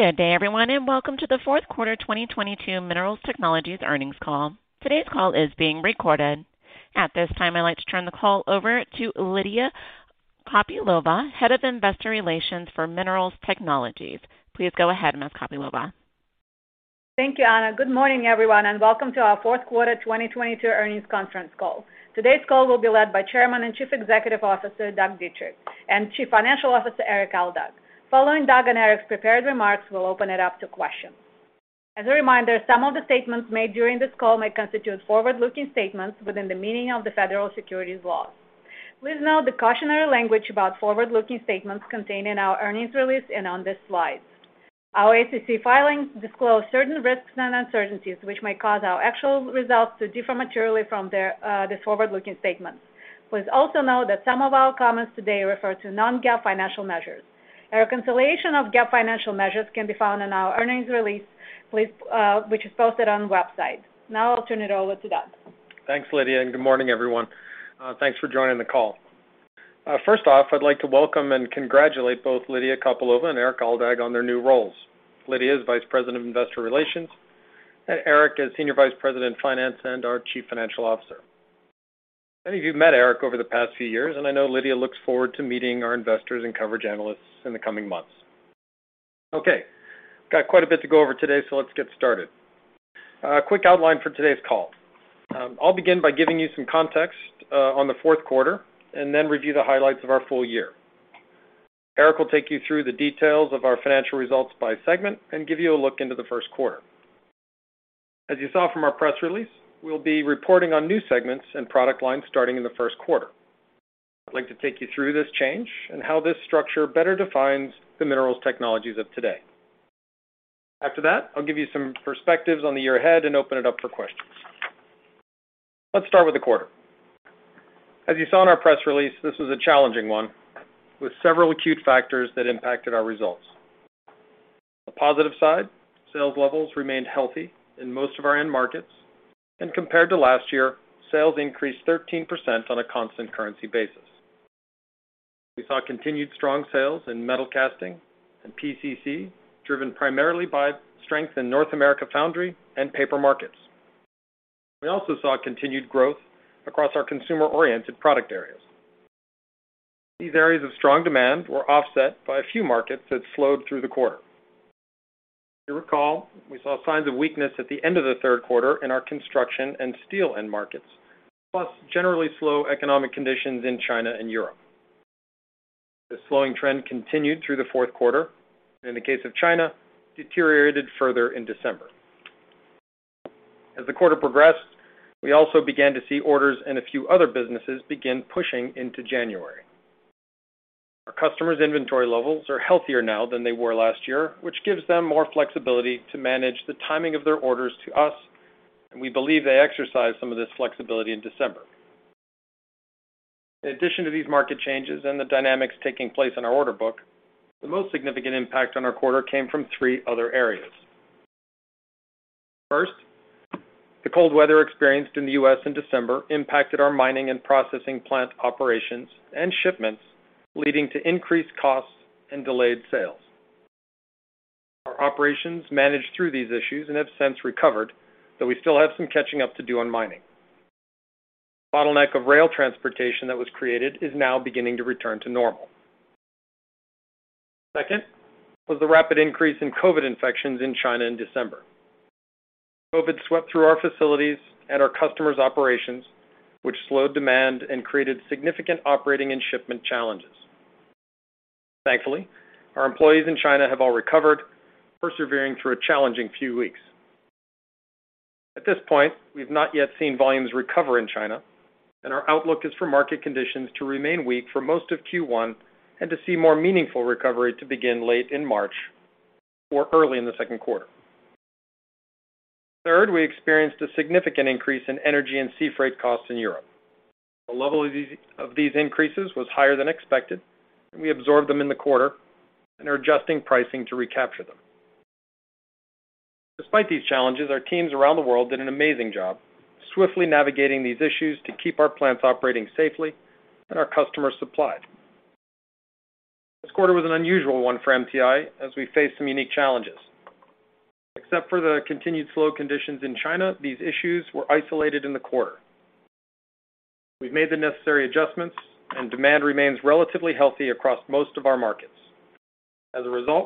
Good day, everyone, and welcome to the fourth quarter 2022 Minerals Technologies earnings call. Today's call is being recorded. At this time, I'd like to turn the call over to Lydia Kopylova, Head of Investor Relations for Minerals Technologies. Please go ahead, Ms. Kopylova. Thank you, Anna. Good morning, everyone, welcome to our fourth quarter 2022 earnings conference call. Today's call will be led by Chairman and Chief Executive Officer, Doug Dietrich, and Chief Financial Officer, Erik Aldag. Following Doug and Erik's prepared remarks, we'll open it up to questions. As a reminder, some of the statements made during this call may constitute forward-looking statements within the meaning of the federal securities laws. Please note the cautionary language about forward-looking statements contained in our earnings release and on this slide. Our SEC filings disclose certain risks and uncertainties which may cause our actual results to differ materially from these forward-looking statements. Please also note that some of our comments today refer to non-GAAP financial measures. A reconciliation of GAAP financial measures can be found in our earnings release, which is posted on the website. Now I'll turn it over to Doug. Thanks, Lydia, and good morning, everyone. Thanks for joining the call. First off, I'd like to welcome and congratulate both Lydia Kopylova and Erik Aldag on their new roles. Lydia as Vice President of Investor Relations, and Erik as Senior Vice President, Finance and Treasury, and Chief Financial Officer. Many of you have met Erik over the past few years, and I know Lydia looks forward to meeting our investors and coverage analysts in the coming months. Got quite a bit to go over today, so let's get started. A quick outline for today's call. I'll begin by giving you some context on the fourth quarter and then review the highlights of our full year. Erik will take you through the details of our financial results by segment and give you a look into the first quarter. As you saw from our press release, we'll be reporting on new segments and product lines starting in the first quarter. I'd like to take you through this change and how this structure better defines the minerals technologies of today. After that, I'll give you some perspectives on the year ahead and open it up for questions. Let's start with the quarter. As you saw in our press release, this was a challenging one with several acute factors that impacted our results. The positive side, sales levels remained healthy in most of our end markets, and compared to last year, sales increased 13% on a constant currency basis. We saw continued strong sales in metal casting and PCC, driven primarily by strength in North America foundry and paper markets. We also saw continued growth across our consumer-oriented product areas. These areas of strong demand were offset by a few markets that slowed through the quarter. You recall, we saw signs of weakness at the end of the third quarter in our construction and steel end markets, plus generally slow economic conditions in China and Europe. The slowing trend continued through the fourth quarter, and in the case of China, deteriorated further in December. As the quarter progressed, we also began to see orders in a few other businesses begin pushing into January. Our customers' inventory levels are healthier now than they were last year, which gives them more flexibility to manage the timing of their orders to us, and we believe they exercised some of this flexibility in December. In addition to these market changes and the dynamics taking place in our order book, the most significant impact on our quarter came from three other areas. First, the cold weather experienced in the U.S. in December impacted our mining and processing plant operations and shipments, leading to increased costs and delayed sales. Our operations managed through these issues and have since recovered, though we still have some catching up to do on mining. Bottleneck of rail transportation that was created is now beginning to return to normal. Second was the rapid increase in COVID infections in China in December. COVID swept through our facilities and our customers' operations, which slowed demand and created significant operating and shipment challenges. Thankfully, our employees in China have all recovered, persevering through a challenging few weeks. At this point, we've not yet seen volumes recover in China, and our outlook is for market conditions to remain weak for most of Q1 and to see more meaningful recovery to begin late in March or early in the second quarter. We experienced a significant increase in energy and sea freight costs in Europe. The level of these increases was higher than expected, and we absorbed them in the quarter and are adjusting pricing to recapture them. Despite these challenges, our teams around the world did an amazing job swiftly navigating these issues to keep our plants operating safely and our customers supplied. This quarter was an unusual one for MTI as we faced some unique challenges. Except for the continued slow conditions in China, these issues were isolated in the quarter. We've made the necessary adjustments and demand remains relatively healthy across most of our markets.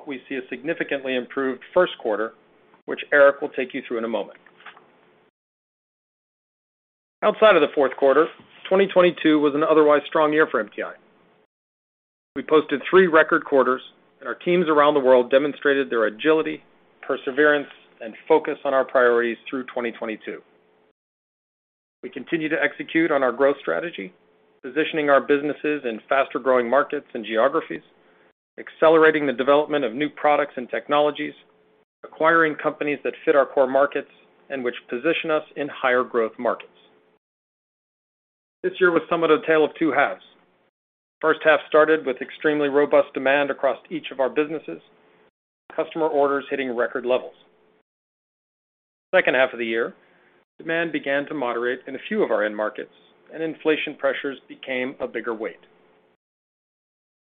We see a significantly improved first quarter, which Erik will take you through in a moment. Outside of the fourth quarter, 2022 was an otherwise strong year for MTI. We posted three record quarters. Our teams around the world demonstrated their agility, perseverance, and focus on our priorities through 2022. We continue to execute on our growth strategy, positioning our businesses in faster-growing markets and geographies, accelerating the development of new products and technologies, acquiring companies that fit our core markets and which position us in higher growth markets. This year was somewhat a tale of two halves. First half started with extremely robust demand across each of our businesses. Customer orders hitting record levels. Second half of the year, demand began to moderate in a few of our end markets and inflation pressures became a bigger weight.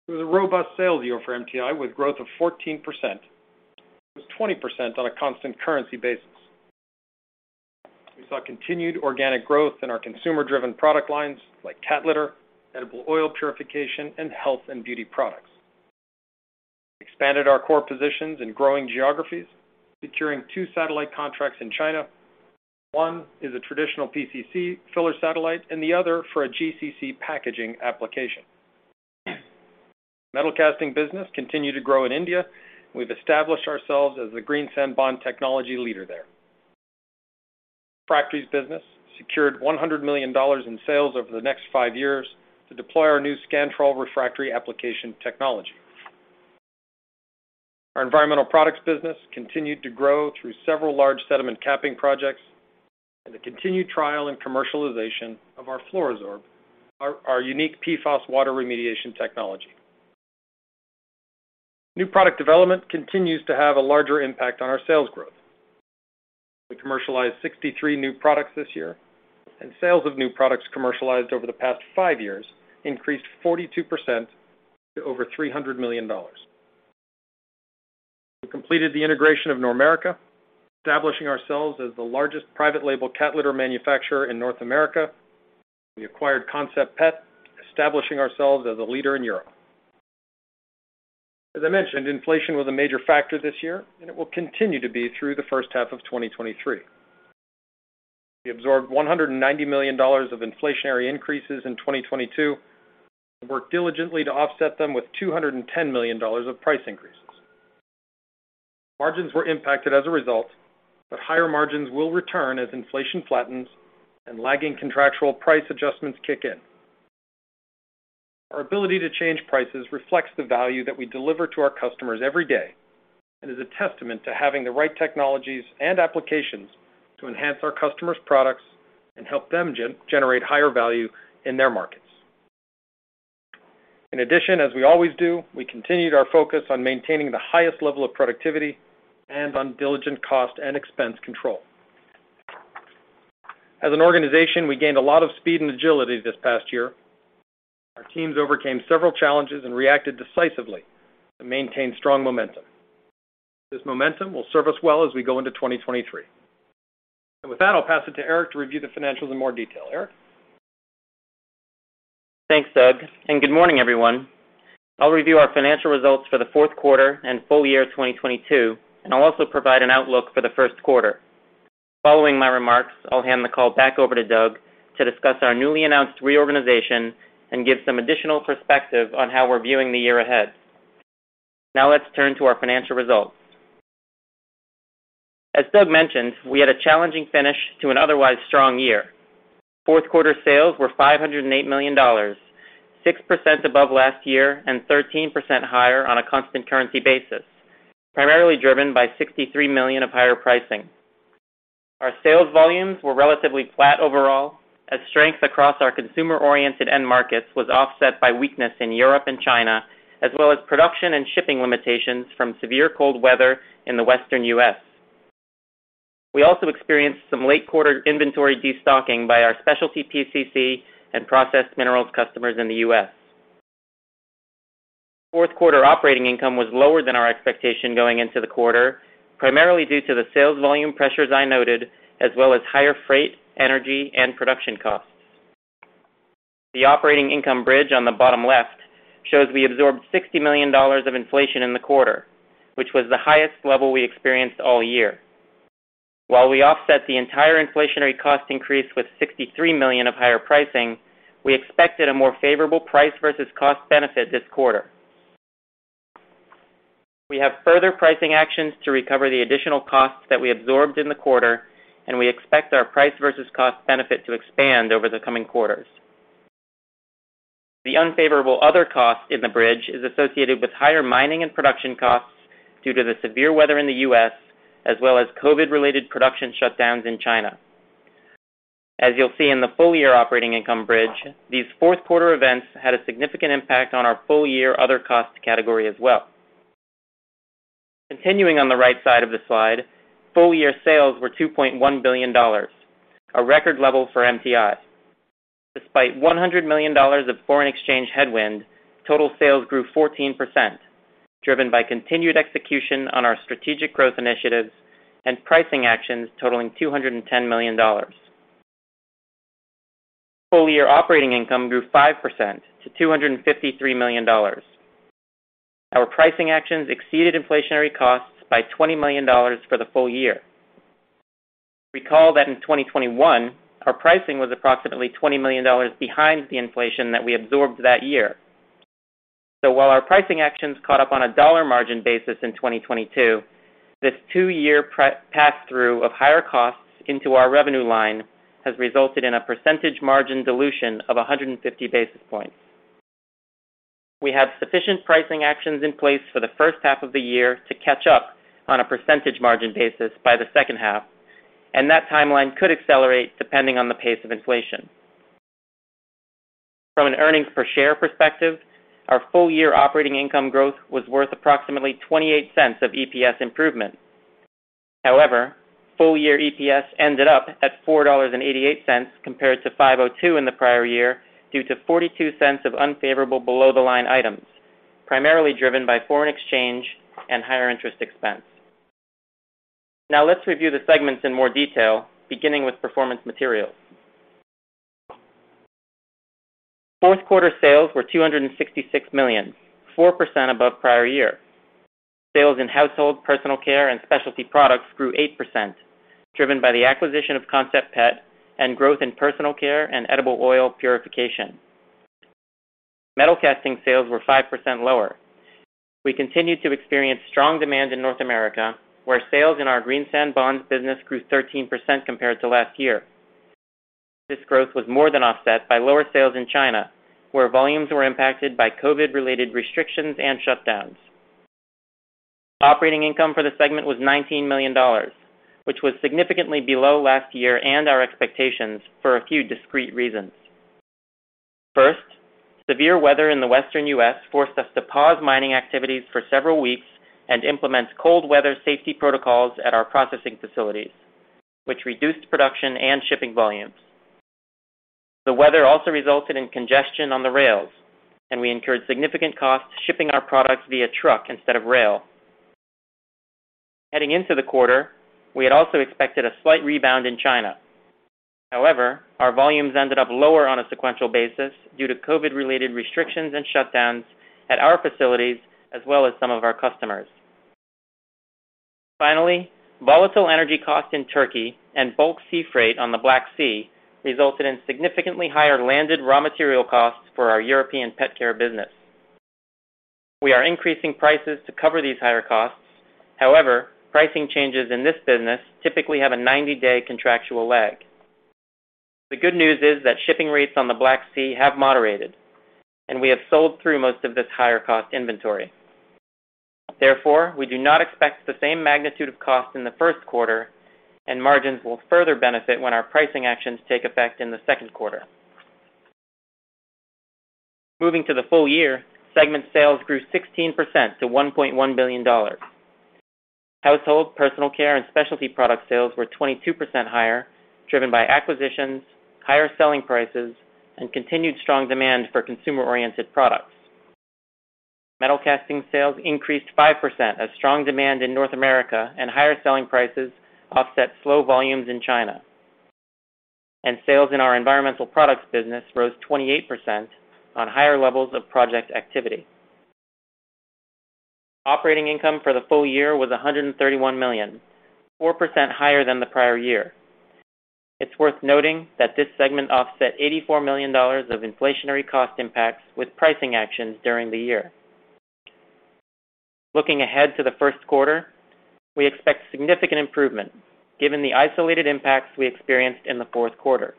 It was a robust sales year for MTI, with growth of 14%. It was 20% on a constant currency basis. We saw continued organic growth in our consumer driven product lines like cat litter, edible oil purification, and health and beauty products. Expanded our core positions in growing geographies, securing two satellite contracts in China. One is a traditional PCC filler satellite and the other for a GCC packaging application. Metal casting business continued to grow in India. We've established ourselves as the green sand bond technology leader there. Refractories business secured $100 million in sales over the next 5 years to deploy our new SCANTROL refractory application technology. Our environmental products business continued to grow through several large sediment capping projects and the continued trial and commercialization of our FLUORO-SORB, our unique PFAS water remediation technology. New product development continues to have a larger impact on our sales growth. We commercialized 63 new products this year. Sales of new products commercialized over the past five years increased 42% to over $300 million. We completed the integration of Normerica, establishing ourselves as the largest private label cat litter manufacturer in North America. We acquired Concept Pet, establishing ourselves as a leader in Europe. As I mentioned, inflation was a major factor this year, and it will continue to be through the first half of 2023. We absorbed $190 million of inflationary increases in 2022 and worked diligently to offset them with $210 million of price increases. Margins were impacted as a result. Higher margins will return as inflation flattens and lagging contractual price adjustments kick in. Our ability to change prices reflects the value that we deliver to our customers every day and is a testament to having the right technologies and applications to enhance our customers' products and help them generate higher value in their markets. As we always do, we continued our focus on maintaining the highest level of productivity and on diligent cost and expense control. As an organization, we gained a lot of speed and agility this past year. Our teams overcame several challenges and reacted decisively to maintain strong momentum. This momentum will serve us well as we go into 2023. With that, I'll pass it to Erik to review the financials in more detail. Erik? Thanks, Doug. Good morning, everyone. I'll review our financial results for the fourth quarter and full year 2022, and I'll also provide an outlook for the 1st quarter. Following my remarks, I'll hand the call back over to Doug to discuss our newly announced reorganization and give some additional perspective on how we're viewing the year ahead. Let's turn to our financial results. As Doug mentioned, we had a challenging finish to an otherwise strong year. Fourth quarter sales were $508 million, 6% above last year and 13% higher on a constant currency basis, primarily driven by $63 million of higher pricing. Our sales volumes were relatively flat overall as strength across our consumer-oriented end markets was offset by weakness in Europe and China, as well as production and shipping limitations from severe cold weather in the Western U.S. We also experienced some late quarter inventory destocking by our specialty PCC and processed minerals customers in the U.S. Fourth quarter operating income was lower than our expectation going into the quarter, primarily due to the sales volume pressures I noted, as well as higher freight, energy, and production costs. The operating income bridge on the bottom left shows we absorbed $60 million of inflation in the quarter, which was the highest level we experienced all year. We offset the entire inflationary cost increase with $63 million of higher pricing, we expected a more favorable price versus cost benefit this quarter. We have further pricing actions to recover the additional costs that we absorbed in the quarter, we expect our price versus cost benefit to expand over the coming quarters. The unfavorable other cost in the bridge is associated with higher mining and production costs due to the severe weather in the U.S. as well as COVID-related production shutdowns in China. As you'll see in the full year operating income bridge, these fourth quarter events had a significant impact on our full year other cost category as well. Continuing on the right side of the slide, full year sales were $2.1 billion, a record level for MTI. Despite $100 million of foreign exchange headwind, total sales grew 14%, driven by continued execution on our strategic growth initiatives and pricing actions totaling $210 million. Full year operating income grew 5% to $253 million. Our pricing actions exceeded inflationary costs by $20 million for the full year. Recall that in 2021, our pricing was approximately $20 million behind the inflation that we absorbed that year. While our pricing actions caught up on a dollar margin basis in 2022, this two year pre-pass through of higher costs into our revenue line has resulted in a percentage margin dilution of 150 basis points. We have sufficient pricing actions in place for the first half of the year to catch up on a percentage margin basis by the second half, and that timeline could accelerate depending on the pace of inflation. From an earnings per share perspective, our full year operating income growth was worth approximately $0.28 of EPS improvement. However, full year EPS ended up at $4.88 compared to $5.02 in the prior year, due to $0.42 of unfavorable below-the-line items, primarily driven by foreign exchange and higher interest expense. Let's review the segments in more detail, beginning with Performance Materials. Fourth quarter sales were $266 million, 4% above prior year. Sales in Household & Personal Care and specialty products grew 8%, driven by the acquisition of Concept Pet and growth in personal care and edible oil purification. Metal casting sales were 5% lower. We continued to experience strong demand in North America, where sales in our green sand bonds business grew 13% compared to last year. This growth was more than offset by lower sales in China, where volumes were impacted by COVID-related restrictions and shutdowns. Operating income for the segment was $19 million, which was significantly below last year and our expectations for a few discrete reasons. First, severe weather in the Western U.S. forced us to pause mining activities for several weeks and implement cold weather safety protocols at our processing facilities, which reduced production and shipping volumes. The weather also resulted in congestion on the rails. We incurred significant costs shipping our products via truck instead of rail. Heading into the quarter, we had also expected a slight rebound in China. However, our volumes ended up lower on a sequential basis due to COVID-related restrictions and shutdowns at our facilities as well as some of our customers. Finally, volatile energy costs in Turkey and bulk sea freight on the Black Sea resulted in significantly higher landed raw material costs for our European pet care business. We are increasing prices to cover these higher costs. Pricing changes in this business typically have a 90 day contractual lag. The good news is that shipping rates on the Black Sea have moderated, and we have sold through most of this higher cost inventory. We do not expect the same magnitude of cost in the first quarter, and margins will further benefit when our pricing actions take effect in the second quarter. Moving to the full year, segment sales grew 16% to $1.1 billion. Household & Personal Care and specialty product sales were 22% higher, driven by acquisitions, higher selling prices, and continued strong demand for consumer-oriented products. Metal casting sales increased 5% as strong demand in North America and higher selling prices offset slow volumes in China. Sales in our environmental products business rose 28% on higher levels of project activity. Operating income for the full year was $131 million, 4% higher than the prior year. It's worth noting that this segment offset $84 million of inflationary cost impacts with pricing actions during the year. Looking ahead to the first quarter, we expect significant improvement given the isolated impacts we experienced in the fourth quarter.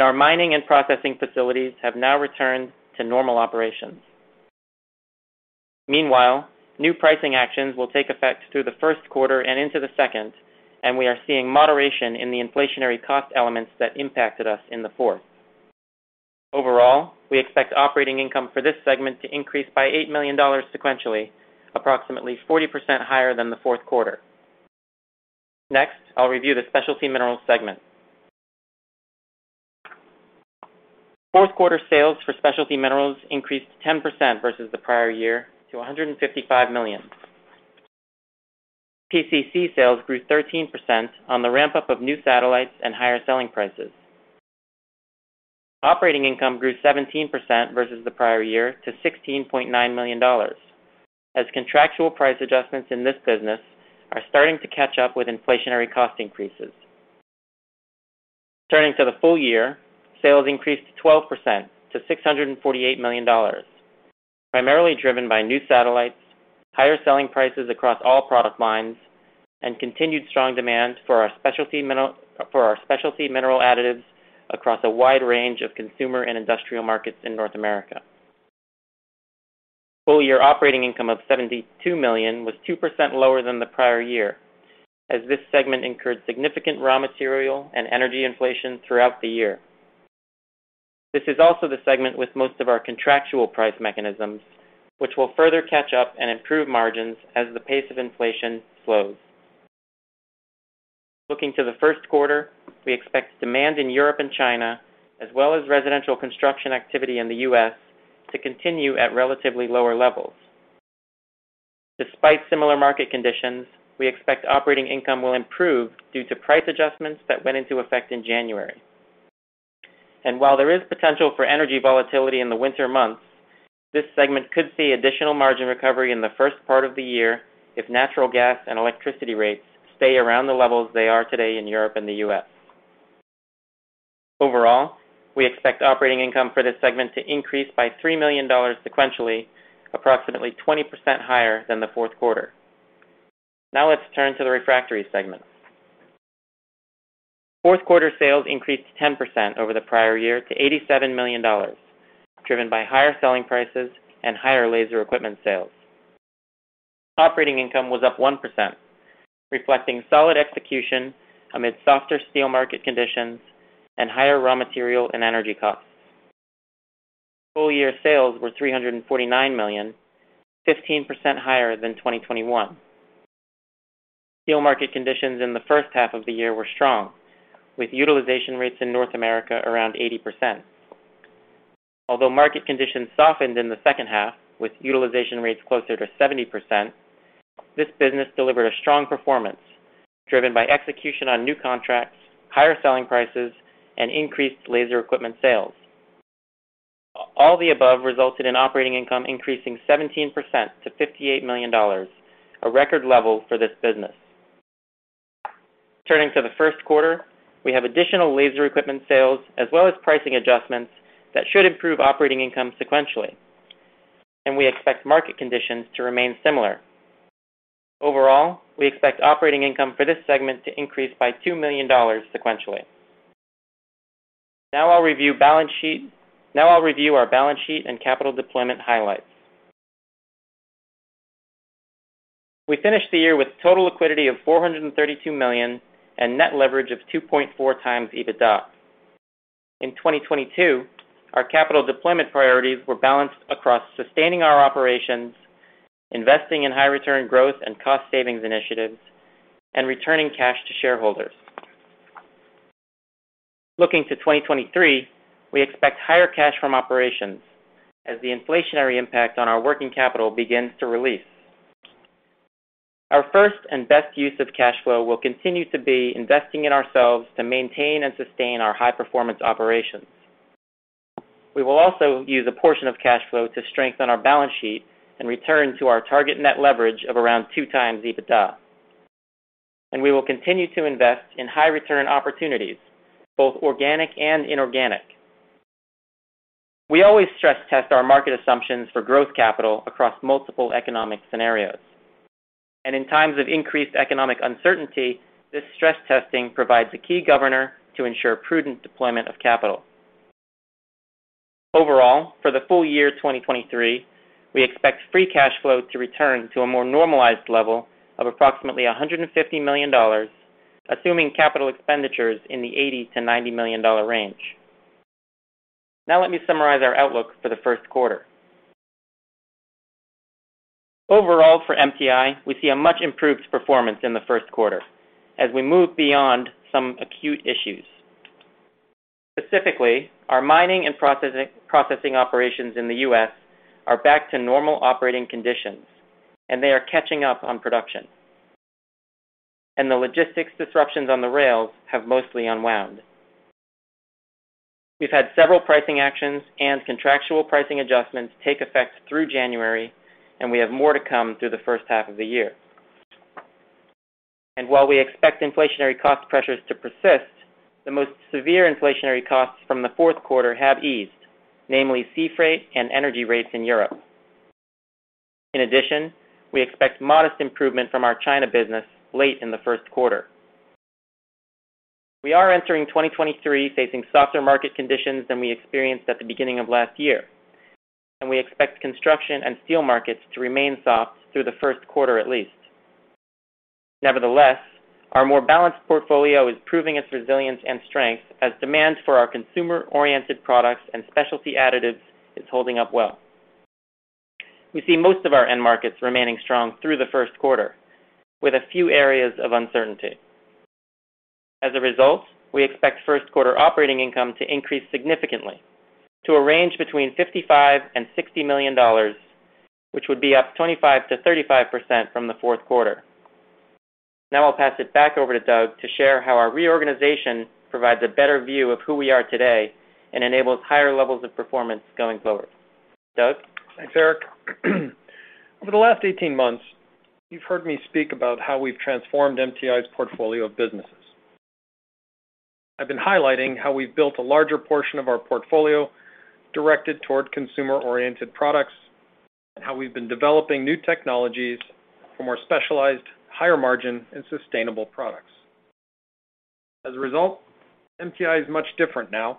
Our mining and processing facilities have now returned to normal operations. Meanwhile, new pricing actions will take effect through the first quarter and into the second, and we are seeing moderation in the inflationary cost elements that impacted us in the fourth. Overall, we expect operating income for this segment to increase by $8 million sequentially, approximately 40% higher than the fourth quarter. Next, I'll review the Specialty Minerals segment. Fourth quarter sales for Specialty Minerals increased 10% versus the prior year to $155 million. PCC sales grew 13% on the ramp-up of new satellites and higher selling prices. Operating income grew 17% versus the prior year to $16.9 million, as contractual price adjustments in this business are starting to catch up with inflationary cost increases. Turning to the full year, sales increased 12% to $648 million, primarily driven by new satellites, higher selling prices across all product lines, and continued strong demand for our specialty mineral additives across a wide range of consumer and industrial markets in North America. Full year operating income of $72 million was 2% lower than the prior year, as this segment incurred significant raw material and energy inflation throughout the year. This is also the segment with most of our contractual price mechanisms, which will further catch up and improve margins as the pace of inflation slows. Looking to the first quarter, we expect demand in Europe and China, as well as residential construction activity in the U.S., to continue at relatively lower levels. Despite similar market conditions, we expect operating income will improve due to price adjustments that went into effect in January. While there is potential for energy volatility in the winter months, this segment could see additional margin recovery in the first part of the year if natural gas and electricity rates stay around the levels they are today in Europe and the U.S. Overall, we expect operating income for this segment to increase by $3 million sequentially, approximately 20% higher than the fourth quarter. Now let's turn to the Refractories segment. Fourth quarter sales increased 10% over the prior year to $87 million, driven by higher selling prices and higher laser equipment sales. Operating income was up 1%, reflecting solid execution amid softer steel market conditions and higher raw material and energy costs. Full year sales were $349 million, 15% higher than 2021. Steel market conditions in the first half of the year were strong, with utilization rates in North America around 80%. Although market conditions softened in the second half with utilization rates closer to 70%, this business delivered a strong performance driven by execution on new contracts, higher selling prices, and increased laser equipment sales. All the above resulted in operating income increasing 17% to $58 million, a record level for this business. Turning to the first quarter, we have additional laser equipment sales as well as pricing adjustments that should improve operating income sequentially. We expect market conditions to remain similar. Overall, we expect operating income for this segment to increase by $2 million sequentially. Now I'll review our balance sheet and capital deployment highlights. We finished the year with total liquidity of $432 million and net leverage of 2.4x EBITDA. In 2022, our capital deployment priorities were balanced across sustaining our operations, investing in high return growth and cost savings initiatives, and returning cash to shareholders. Looking to 2023, we expect higher cash from operations as the inflationary impact on our working capital begins to release. Our first and best use of cash flow will continue to be investing in ourselves to maintain and sustain our high performance operations. We will also use a portion of cash flow to strengthen our balance sheet and return to our target net leverage of around 2x EBITDA. We will continue to invest in high return opportunities, both organic and inorganic. We always stress test our market assumptions for growth capital across multiple economic scenarios. In times of increased economic uncertainty, this stress testing provides a key governor to ensure prudent deployment of capital. Overall, for the full year 2023, we expect free cash flow to return to a more normalized level of approximately $150 million, assuming capital expenditures in the $80 million-$90 million range. Let me summarize our outlook for the first quarter. Overall, for MTI, we see a much improved performance in the first quarter as we move beyond some acute issues. Specifically, our mining and processing operations in the U.S. are back to normal operating conditions, and they are catching up on production. The logistics disruptions on the rails have mostly unwound. We've had several pricing actions and contractual pricing adjustments take effect through January. We have more to come through the first half of the year. While we expect inflationary cost pressures to persist, the most severe inflationary costs from the fourth quarter have eased, namely sea freight and energy rates in Europe. In addition, we expect modest improvement from our China business late in the first quarter. We are entering 2023 facing softer market conditions than we experienced at the beginning of last year, and we expect construction and steel markets to remain soft through the first quarter at least. Nevertheless, our more balanced portfolio is proving its resilience and strength as demand for our consumer-oriented products and Specialty Additives is holding up well. We see most of our end markets remaining strong through the first quarter, with a few areas of uncertainty. As a result, we expect first quarter operating income to increase significantly to a range between $55 million and $60 million, which would be up 25%-35% from the fourth quarter. Now I'll pass it back over to Doug to share how our reorganization provides a better view of who we are today and enables higher levels of performance going forward. Doug? Thanks, Erik. Over the last 18 months, you've heard me speak about how we've transformed MTI's portfolio of businesses. I've been highlighting how we've built a larger portion of our portfolio directed toward consumer-oriented products, and how we've been developing new technologies for more specialized, higher margin, and sustainable products. As a result, MTI is much different now.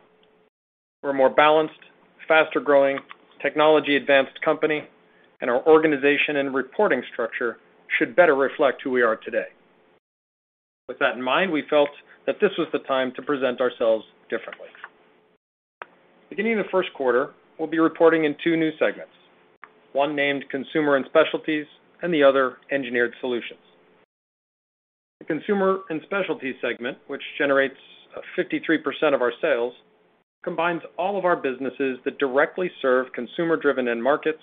We're a more balanced, faster growing, technology-advanced company, and our organization and reporting structure should better reflect who we are today. With that in mind, we felt that this was the time to present ourselves differently. Beginning in the first quarter, we'll be reporting in two new segments, one named Consumer & Specialties, and the other Engineered Solutions. The Consumer & Specialties segment, which generates 53% of our sales, combines all of our businesses that directly serve consumer-driven end markets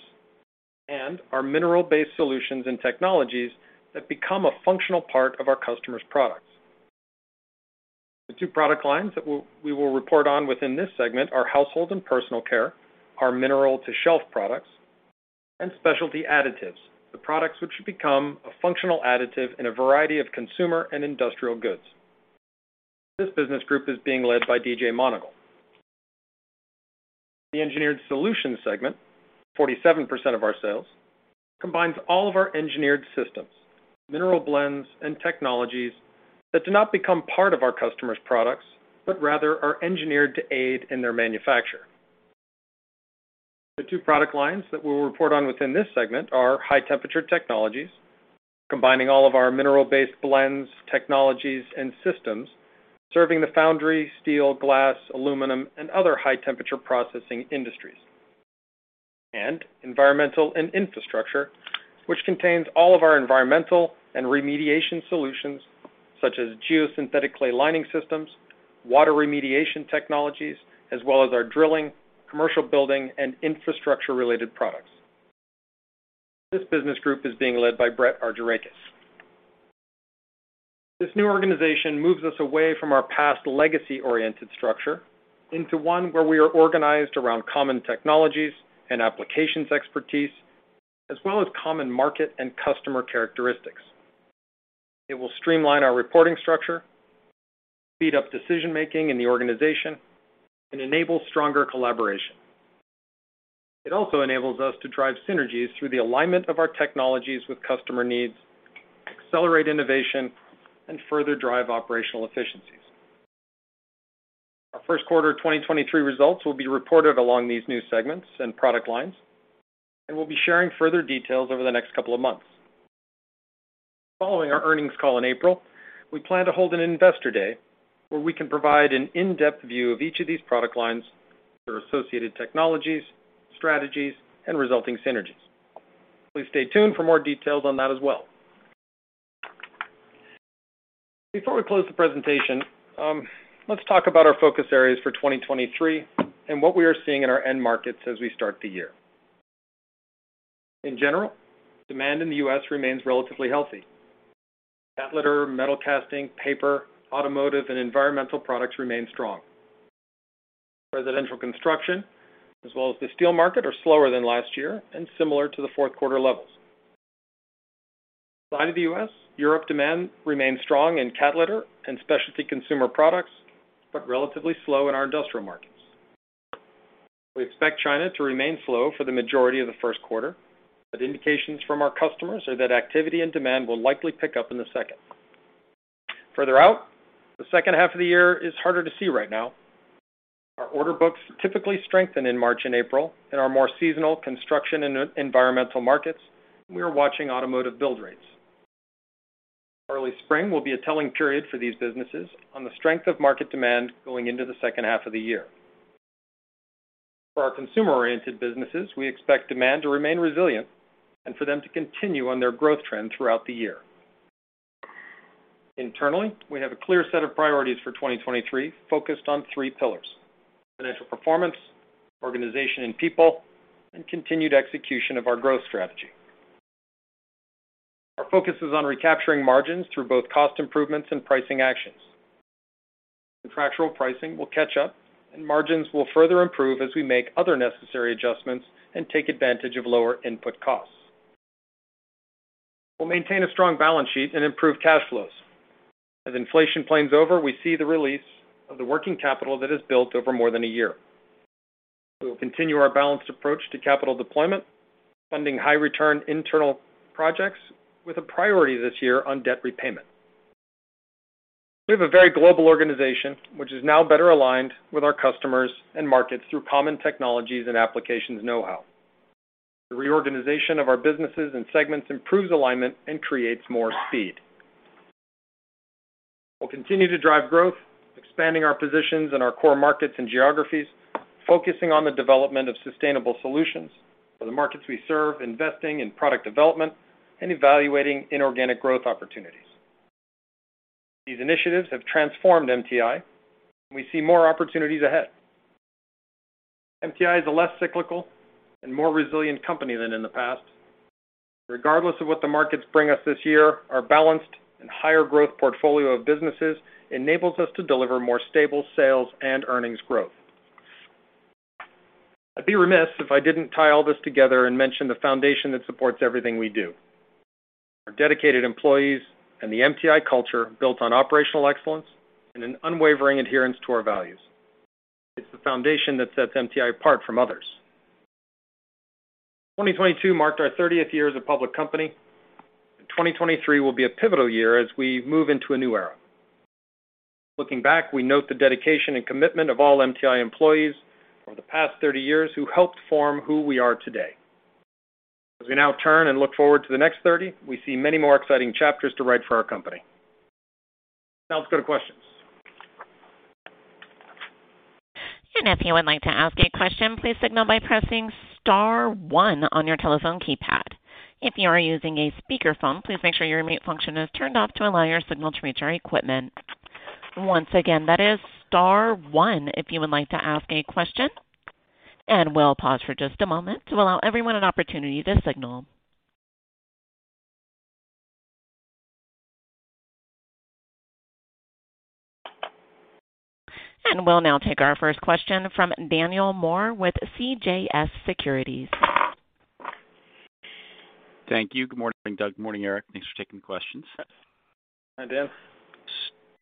and our mineral-based solutions and technologies that become a functional part of our customers' products. The two product lines that we will report on within this segment are Household & Personal Care, our mineral to shelf products, and Specialty Additives, the products which become a functional additive in a variety of consumer and industrial goods. This business group is being led by D.J. Monagle, III. The Engineered Solutions segment, 47% of our sales, combines all of our engineered systems, mineral blends, and technologies that do not become part of our customers' products, but rather are engineered to aid in their manufacture. The two product lines that we will report on within this segment are High-Temperature Technologies, combining all of our mineral-based blends, technologies, and systems, serving the foundry, steel, glass, aluminum, and other high temperature processing industries. Environmental & Infrastructure, which contains all of our environmental and remediation solutions such as geosynthetic clay lining systems, water remediation technologies, as well as our drilling, commercial building, and infrastructure-related products. This business group is being led by Brett Argirakis. This new organization moves us away from our past legacy-oriented structure into one where we are organized around common technologies and applications expertise, as well as common market and customer characteristics. It will streamline our reporting structure, speed up decision-making in the organization, and enable stronger collaboration. It also enables us to drive synergies through the alignment of our technologies with customer needs, accelerate innovation, and further drive operational efficiencies. Our first quarter of 2023 results will be reported along these new segments and product lines. We'll be sharing further details over the next couple of months. Following our earnings call in April, we plan to hold an investor day where we can provide an in-depth view of each of these product lines, their associated technologies, strategies, and resulting synergies. Please stay tuned for more details on that as well. Before we close the presentation, let's talk about our focus areas for 2023 and what we are seeing in our end markets as we start the year. In general, demand in the U.S. remains relatively healthy. Cat litter, metal casting, paper, automotive, and environmental products remain strong. Residential construction as well as the steel market are slower than last year and similar to the fourth quarter levels. Outside of the U.S., Europe demand remains strong in cat litter and specialty consumer products, but relatively slow in our industrial markets. We expect China to remain slow for the majority of the first quarter, but indications from our customers are that activity and demand will likely pick up in the second. Further out, the second half of the year is harder to see right now. Our order books typically strengthen in March and April in our more seasonal construction and environmental markets, and we are watching automotive build rates. Early spring will be a telling period for these businesses on the strength of market demand going into the second half of the year. For our consumer-oriented businesses, we expect demand to remain resilient and for them to continue on their growth trend throughout the year. Internally, we have a clear set of priorities for 2023 focused on three pillars: financial performance, organization and people, and continued execution of our growth strategy. Our focus is on recapturing margins through both cost improvements and pricing actions. Contractual pricing will catch up, and margins will further improve as we make other necessary adjustments and take advantage of lower input costs. We'll maintain a strong balance sheet and improve cash flows. As inflation planes over, we see the release of the working capital that has built over more than a year. We will continue our balanced approach to capital deployment, funding high return internal projects with a priority this year on debt repayment. We have a very global organization which is now better aligned with our customers and markets through common technologies and applications know-how. The reorganization of our businesses and segments improves alignment and creates more speed. We'll continue to drive growth, expanding our positions in our core markets and geographies, focusing on the development of sustainable solutions for the markets we serve, investing in product development, and evaluating inorganic growth opportunities. These initiatives have transformed MTI, and we see more opportunities ahead. MTI is a less cyclical and more resilient company than in the past. Regardless of what the markets bring us this year, our balanced and higher growth portfolio of businesses enables us to deliver more stable sales and earnings growth. I'd be remiss if I didn't tie all this together and mention the foundation that supports everything we do. Our dedicated employees and the MTI culture built on operational excellence and an unwavering adherence to our values. It's the foundation that sets MTI apart from others. 2022 marked our 30th year as a public company, and 2023 will be a pivotal year as we move into a new era. Looking back, we note the dedication and commitment of all MTI employees from the past 30 years who helped form who we are today. As we now turn and look forward to the next 30, we see many more exciting chapters to write for our company. Let's go to questions. If you would like to ask a question, please signal by pressing star one on your telephone keypad. If you are using a speakerphone, please make sure your mute function is turned off to allow your signal to reach our equipment. Once again, that is star one if you would like to ask a question, and we'll pause for just a moment to allow everyone an opportunity to signal. We'll now take our first question from Daniel Moore with CJS Securities. Thank you. Good morning, Doug. Morning, Erik. Thanks for taking the questions. Hi, Dan.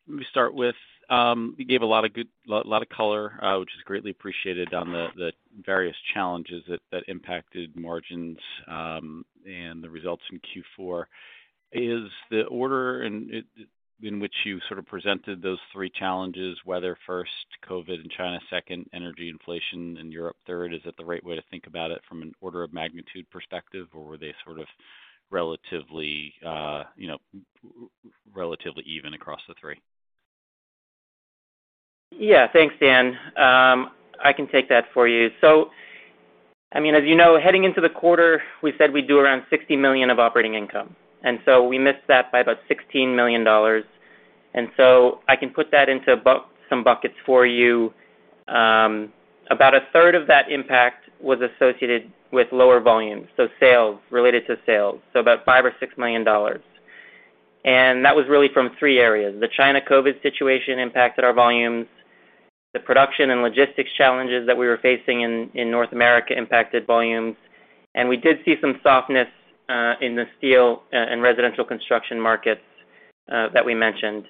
Let me start with, you gave a lot of good color, which is greatly appreciated on the various challenges that impacted margins and the results in Q4. Is the order in which you sort of presented those three challenges, weather first, COVID in China second, energy inflation in Europe third, is it the right way to think about it from an order of magnitude perspective, or were they sort of relatively, you know, relatively even across the three? Yeah. Thanks, Dan. I can take that for you. I mean, as you know, heading into the quarter, we said we'd do around $60 million of operating income, and so we missed that by about $16 million. I can put that into some buckets for you. About a third of that impact was associated with lower volumes, so sales, related to sales, so about $5 million or $6 million. That was really from three areas. The China COVID situation impacted our volumes, the production and logistics challenges that we were facing in North America impacted volumes, and we did see some softness in the steel and residential construction markets that we mentioned.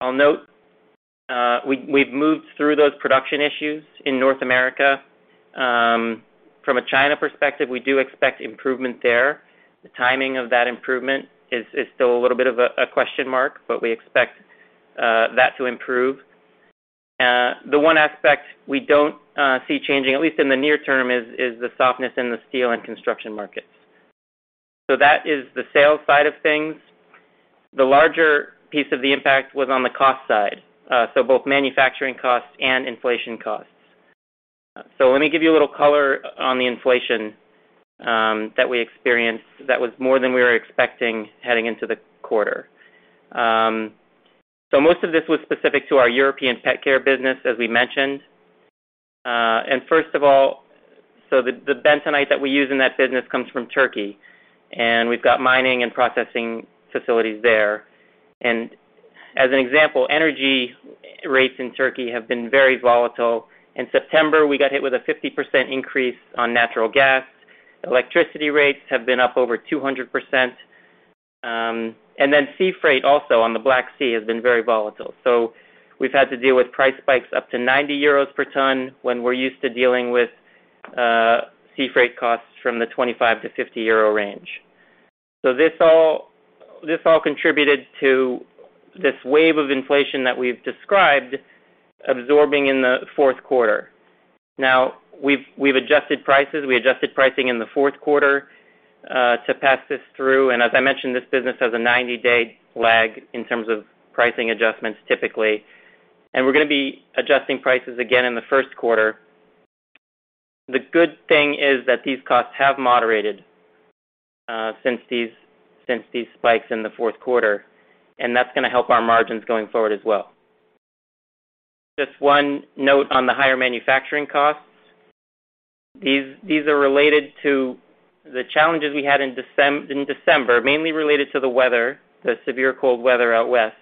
I'll note, we've moved through those production issues in North America. From a China perspective, we do expect improvement there. The timing of that improvement is still a little bit of a question mark, but we expect that to improve. The one aspect we don't see changing, at least in the near term, is the softness in the steel and construction markets. That is the sales side of things. The larger piece of the impact was on the cost side, so both manufacturing costs and inflation costs. Let me give you a little color on the inflation that we experienced that was more than we were expecting heading into the quarter. Most of this was specific to our European pet care business, as we mentioned. And first of all, the bentonite that we use in that business comes from Turkey, and we've got mining and processing facilities there. As an example, energy rates in Turkey have been very volatile. In September, we got hit with a 50% increase on natural gas. Electricity rates have been up over 200%. sea freight also on the Black Sea has been very volatile. We've had to deal with price spikes up to 90 euros per ton when we're used to dealing with sea freight costs from the 25-50 euro range. This all contributed to this wave of inflation that we've described absorbing in the fourth quarter. Now we've adjusted prices. We adjusted pricing in the fourth quarter to pass this through, and as I mentioned, this business has a 90 day lag in terms of pricing adjustments typically. We're gonna be adjusting prices again in the first quarter. The good thing is that these costs have moderated, since these spikes in the fourth quarter. That's gonna help our margins going forward as well. Just one note on the higher manufacturing costs. These are related to the challenges we had in December, mainly related to the weather, the severe cold weather out West,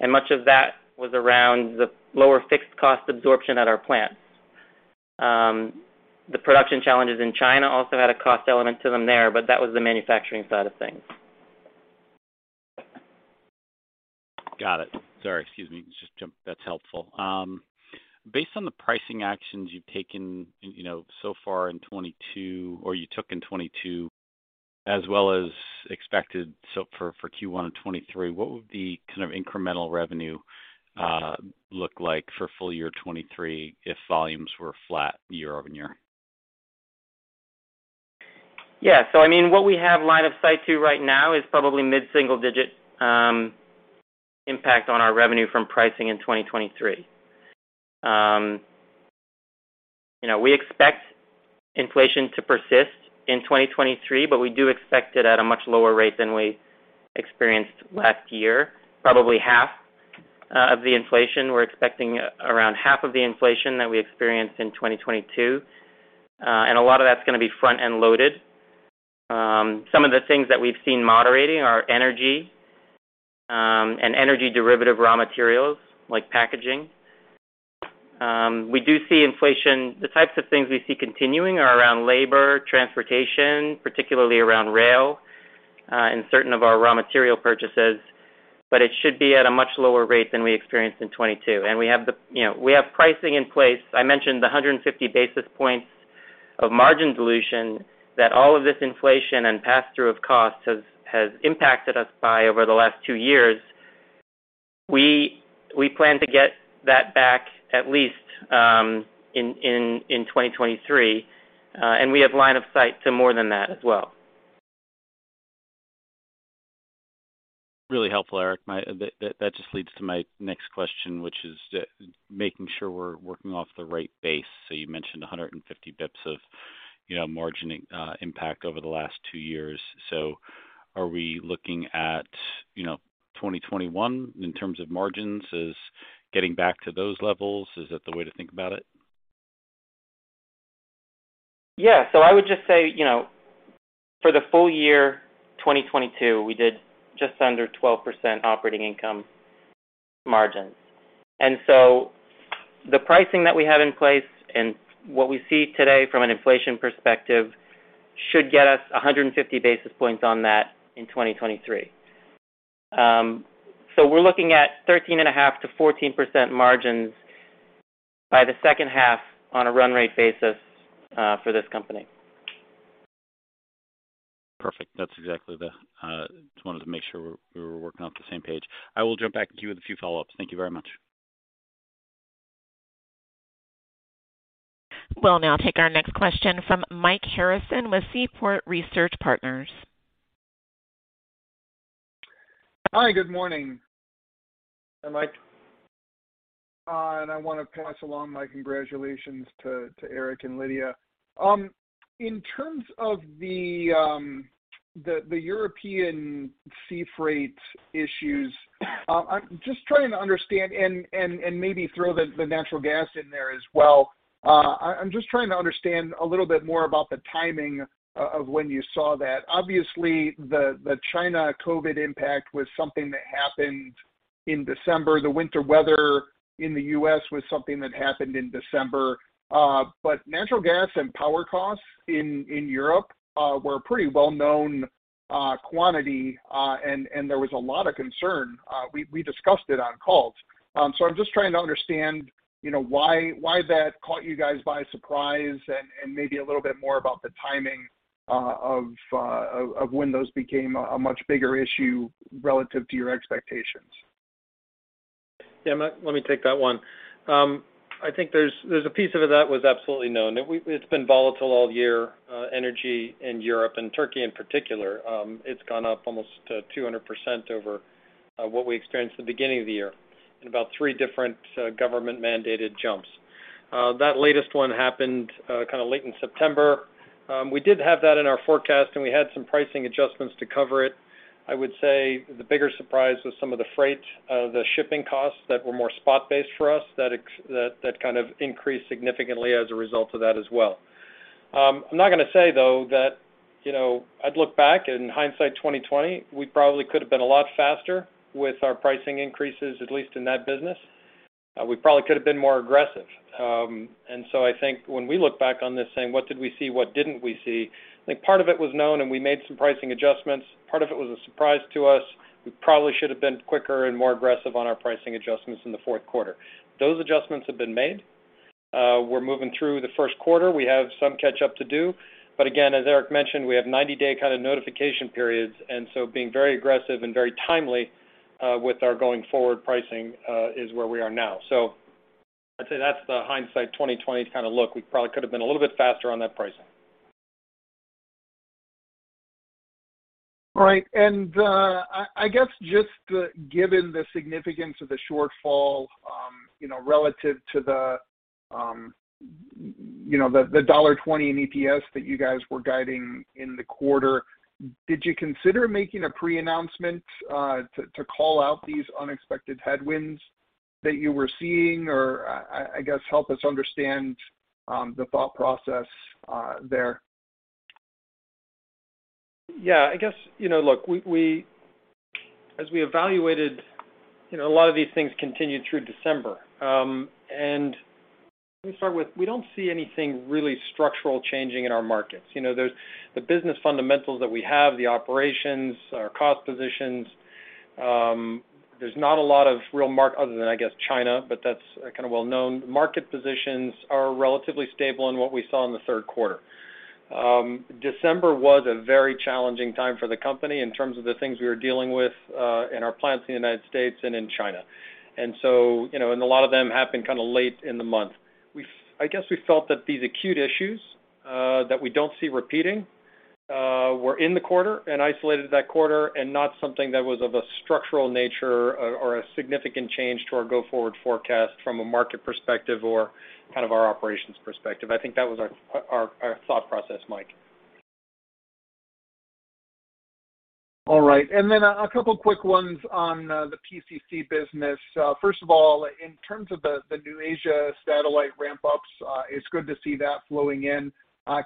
and much of that was around the lower fixed cost absorption at our plants. The production challenges in China also had a cost element to them there. That was the manufacturing side of things. Got it. Sorry, excuse me. That's helpful. Based on the pricing actions you've taken, you know, so far in 2022, or you took in 2022 as well as expected, so for Q1 in 2023, what would the kind of incremental revenue look like for full year 2023 if volumes were flat year-over-year? Yeah. I mean, what we have line of sight to right now is probably mid-single digit impact on our revenue from pricing in 2023. you know, we expect inflation to persist in 2023, but we do expect it at a much lower rate than we experienced last year, probably half of the inflation. We're expecting around half of the inflation that we experienced in 2022. A lot of that's gonna be front end loaded. Some of the things that we've seen moderating are energy and energy derivative raw materials like packaging. The types of things we see continuing are around labor, transportation, particularly around rail, and certain of our raw material purchases, but it should be at a much lower rate than we experienced in 2022. You know, we have pricing in place. I mentioned the 150 basis points of margin dilution that all of this inflation and pass-through of costs has impacted us by over the last 2 years. We plan to get that back at least, in 2023, and we have line of sight to more than that as well. Really helpful, Erik. That just leads to my next question, which is making sure we're working off the right base. You mentioned 150 basis points of, you know, margin impact over the last two years. Are we looking at, you know, 2021 in terms of margins? Is getting back to those levels, is that the way to think about it? Yeah. I would just say, you know, for the full year 2022, we did just under 12% operating income. Margins. The pricing that we have in place and what we see today from an inflation perspective should get us 150 basis points on that in 2023. We're looking at 13.5%-14% margins by the second half on a run rate basis for this company. Perfect. Just wanted to make sure we were working off the same page. I will jump back to you with a few follow ups. Thank you very much. We'll now take our next question from Mike Harrison with Seaport Research Partners. Hi, good morning. I'm Mike Harrison, and I wanna pass along my congratulations to Erik Aldag and Lydia Kopylova. In terms of the European sea freight issues, I'm just trying to understand and maybe throw the natural gas in there as well. I'm just trying to understand a little bit more about the timing of when you saw that. Obviously, the China COVID impact was something that happened in December. The winter weather in the U.S. was something that happened in December. Natural gas and power costs in Europe were a pretty well-known quantity, and there was a lot of concern. We discussed it on calls. I'm just trying to understand, you know, why that caught you guys by surprise and maybe a little bit more about the timing of when those became a much bigger issue relative to your expectations? Yeah, Mike, let me take that one. I think there's a piece of it that was absolutely known. It's been volatile all year, energy in Europe and Turkey in particular. It's gone up almost 200% over what we experienced at the beginning of the year in about three different government mandated jumps. That latest one happened kinda late in September. We did have that in our forecast, and we had some pricing adjustments to cover it. I would say the bigger surprise was some of the freight, the shipping costs that were more spot-based for us that kind of increased significantly as a result of that as well. I'm not gonna say, though, that, you know, I'd look back in hindsight 20/20, we probably could have been a lot faster with our pricing increases, at least in that business. We probably could have been more aggressive. I think when we look back on this saying, "What did we see? What didn't we see?" I think part of it was known, we made some pricing adjustments. Part of it was a surprise to us. We probably should have been quicker and more aggressive on our pricing adjustments in the fourth quarter. Those adjustments have been made. We're moving through the first quarter. We have some catch up to do. Again, as Erik mentioned, we have 90-day kind of notification periods, being very aggressive and very timely with our going-forward pricing is where we are now. I'd say that's the hindsight 20/20 kind of look. We probably could have been a little bit faster on that pricing. Right. I guess just given the significance of the shortfall, you know, relative to the, you know, the $1.20 in EPS that you guys were guiding in the quarter, did you consider making a pre-announcement to call out these unexpected headwinds that you were seeing? I guess help us understand the thought process there. Yeah. I guess, you know, look, As we evaluated, you know, a lot of these things continued through December. Let me start with, we don't see anything really structural changing in our markets. You know, there's the business fundamentals that we have, the operations, our cost positions, there's not a lot of real other than, I guess, China, but that's kinda well-known. Market positions are relatively stable in what we saw in the third quarter. December was a very challenging time for the company in terms of the things we were dealing with, in our plants in the United States and in China. You know, and a lot of them happened kinda late in the month. I guess we felt that these acute issues, that we don't see repeating, were in the quarter and isolated to that quarter and not something that was of a structural nature or a significant change to our go-forward forecast from a market perspective or kind of our operations perspective. I think that was our thought process, Mike. All right. A couple quick ones on the PCC business. First of all, in terms of the new Asia satellite ramp-ups, it's good to see that flowing in.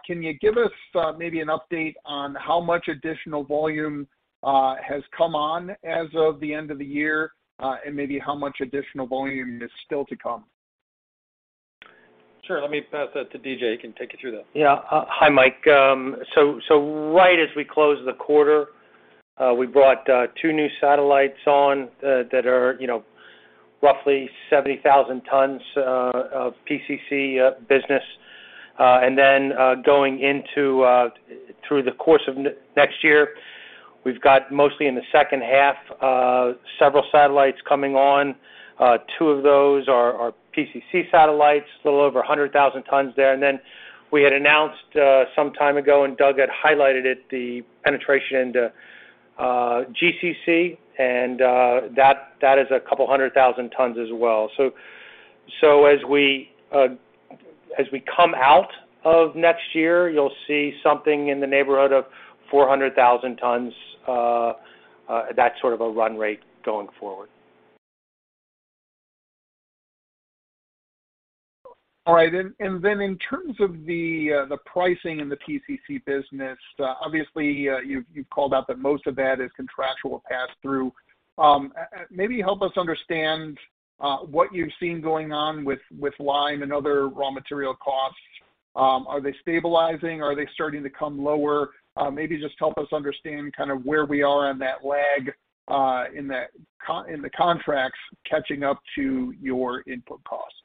Can you give us maybe an update on how much additional volume has come on as of the end of the year, and maybe how much additional volume is still to come? Sure. Let me pass that to D.J., he can take you through that. Yeah. Hi, Mike. Right as we closed the quarter, we brought two new satellites on that are, you know, roughly 70,000 tons of PCC business. Then, going into through the course of next year, we've got mostly in the second half several satellites coming on. Two of those are PCC satellites, a little over 100,000 tons there. We had announced some time ago, and Doug had highlighted it, the penetration into GCC, and that is 200,000 tons as well. As we come out of next year, you'll see something in the neighborhood of 400,000 tons, that sort of a run rate going forward. All right. Then in terms of the pricing in the PCC business, obviously, you've called out that most of that is contractual pass-through. Maybe help us understand what you've seen going on with lime and other raw material costs. Are they stabilizing? Are they starting to come lower? Maybe just help us understand kind of where we are in that lag in the contracts catching up to your input costs.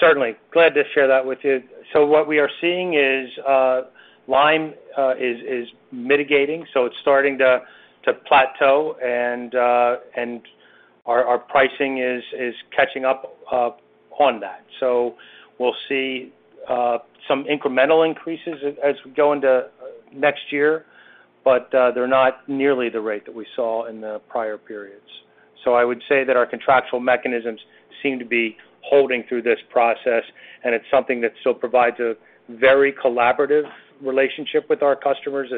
Certainly. What we are seeing is lime is mitigating, so it's starting to plateau and our pricing is catching up on that. We'll see some incremental increases as we go into next year, but they're not nearly the rate that we saw in the prior periods. I would say that our contractual mechanisms seem to be holding through this process, and it's something that still provides a very collaborative relationship with our customers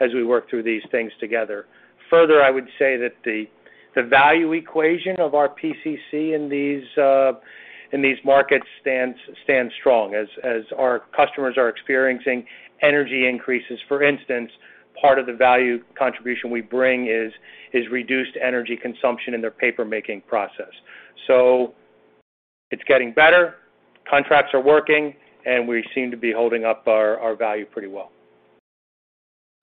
as we work through these things together. Further, I would say that the value equation of our PCC in these markets stands strong. As our customers are experiencing energy increases, for instance, part of the value contribution we bring is reduced energy consumption in their paper making process. It's getting better, contracts are working, and we seem to be holding up our value pretty well.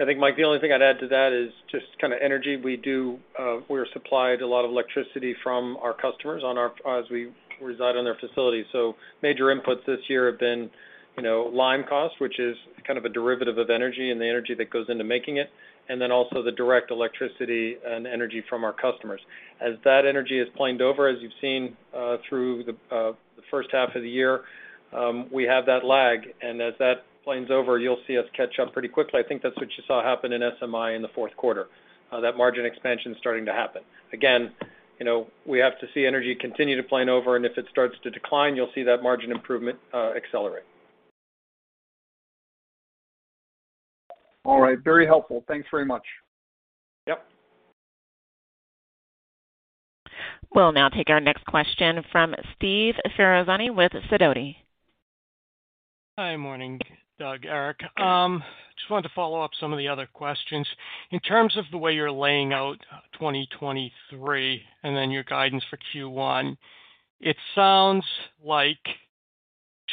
I think, Mike, the only thing I'd add to that is just kind of energy. We're supplied a lot of electricity from our customers on our as we reside on their facilities. Major inputs this year have been, you know, lime costs, which is kind of a derivative of energy and the energy that goes into making it, and then also the direct electricity and energy from our customers. As that energy is planed over, as you've seen, through the first half of the year, we have that lag. As that planes over, you'll see us catch up pretty quickly. I think that's what you saw happen in SMI in the fourth quarter, that margin expansion starting to happen. Again, you know, we have to see energy continue to plane over, and if it starts to decline, you'll see that margin improvement accelerate. All right. Very helpful. Thanks very much. Yep. We'll now take our next question from Steve Ferrazzoli with Sidoti. Hi. Morning, Doug, Erik. Just wanted to follow up some of the other questions. In terms of the way you're laying out 2023 and then your guidance for Q1, it sounds like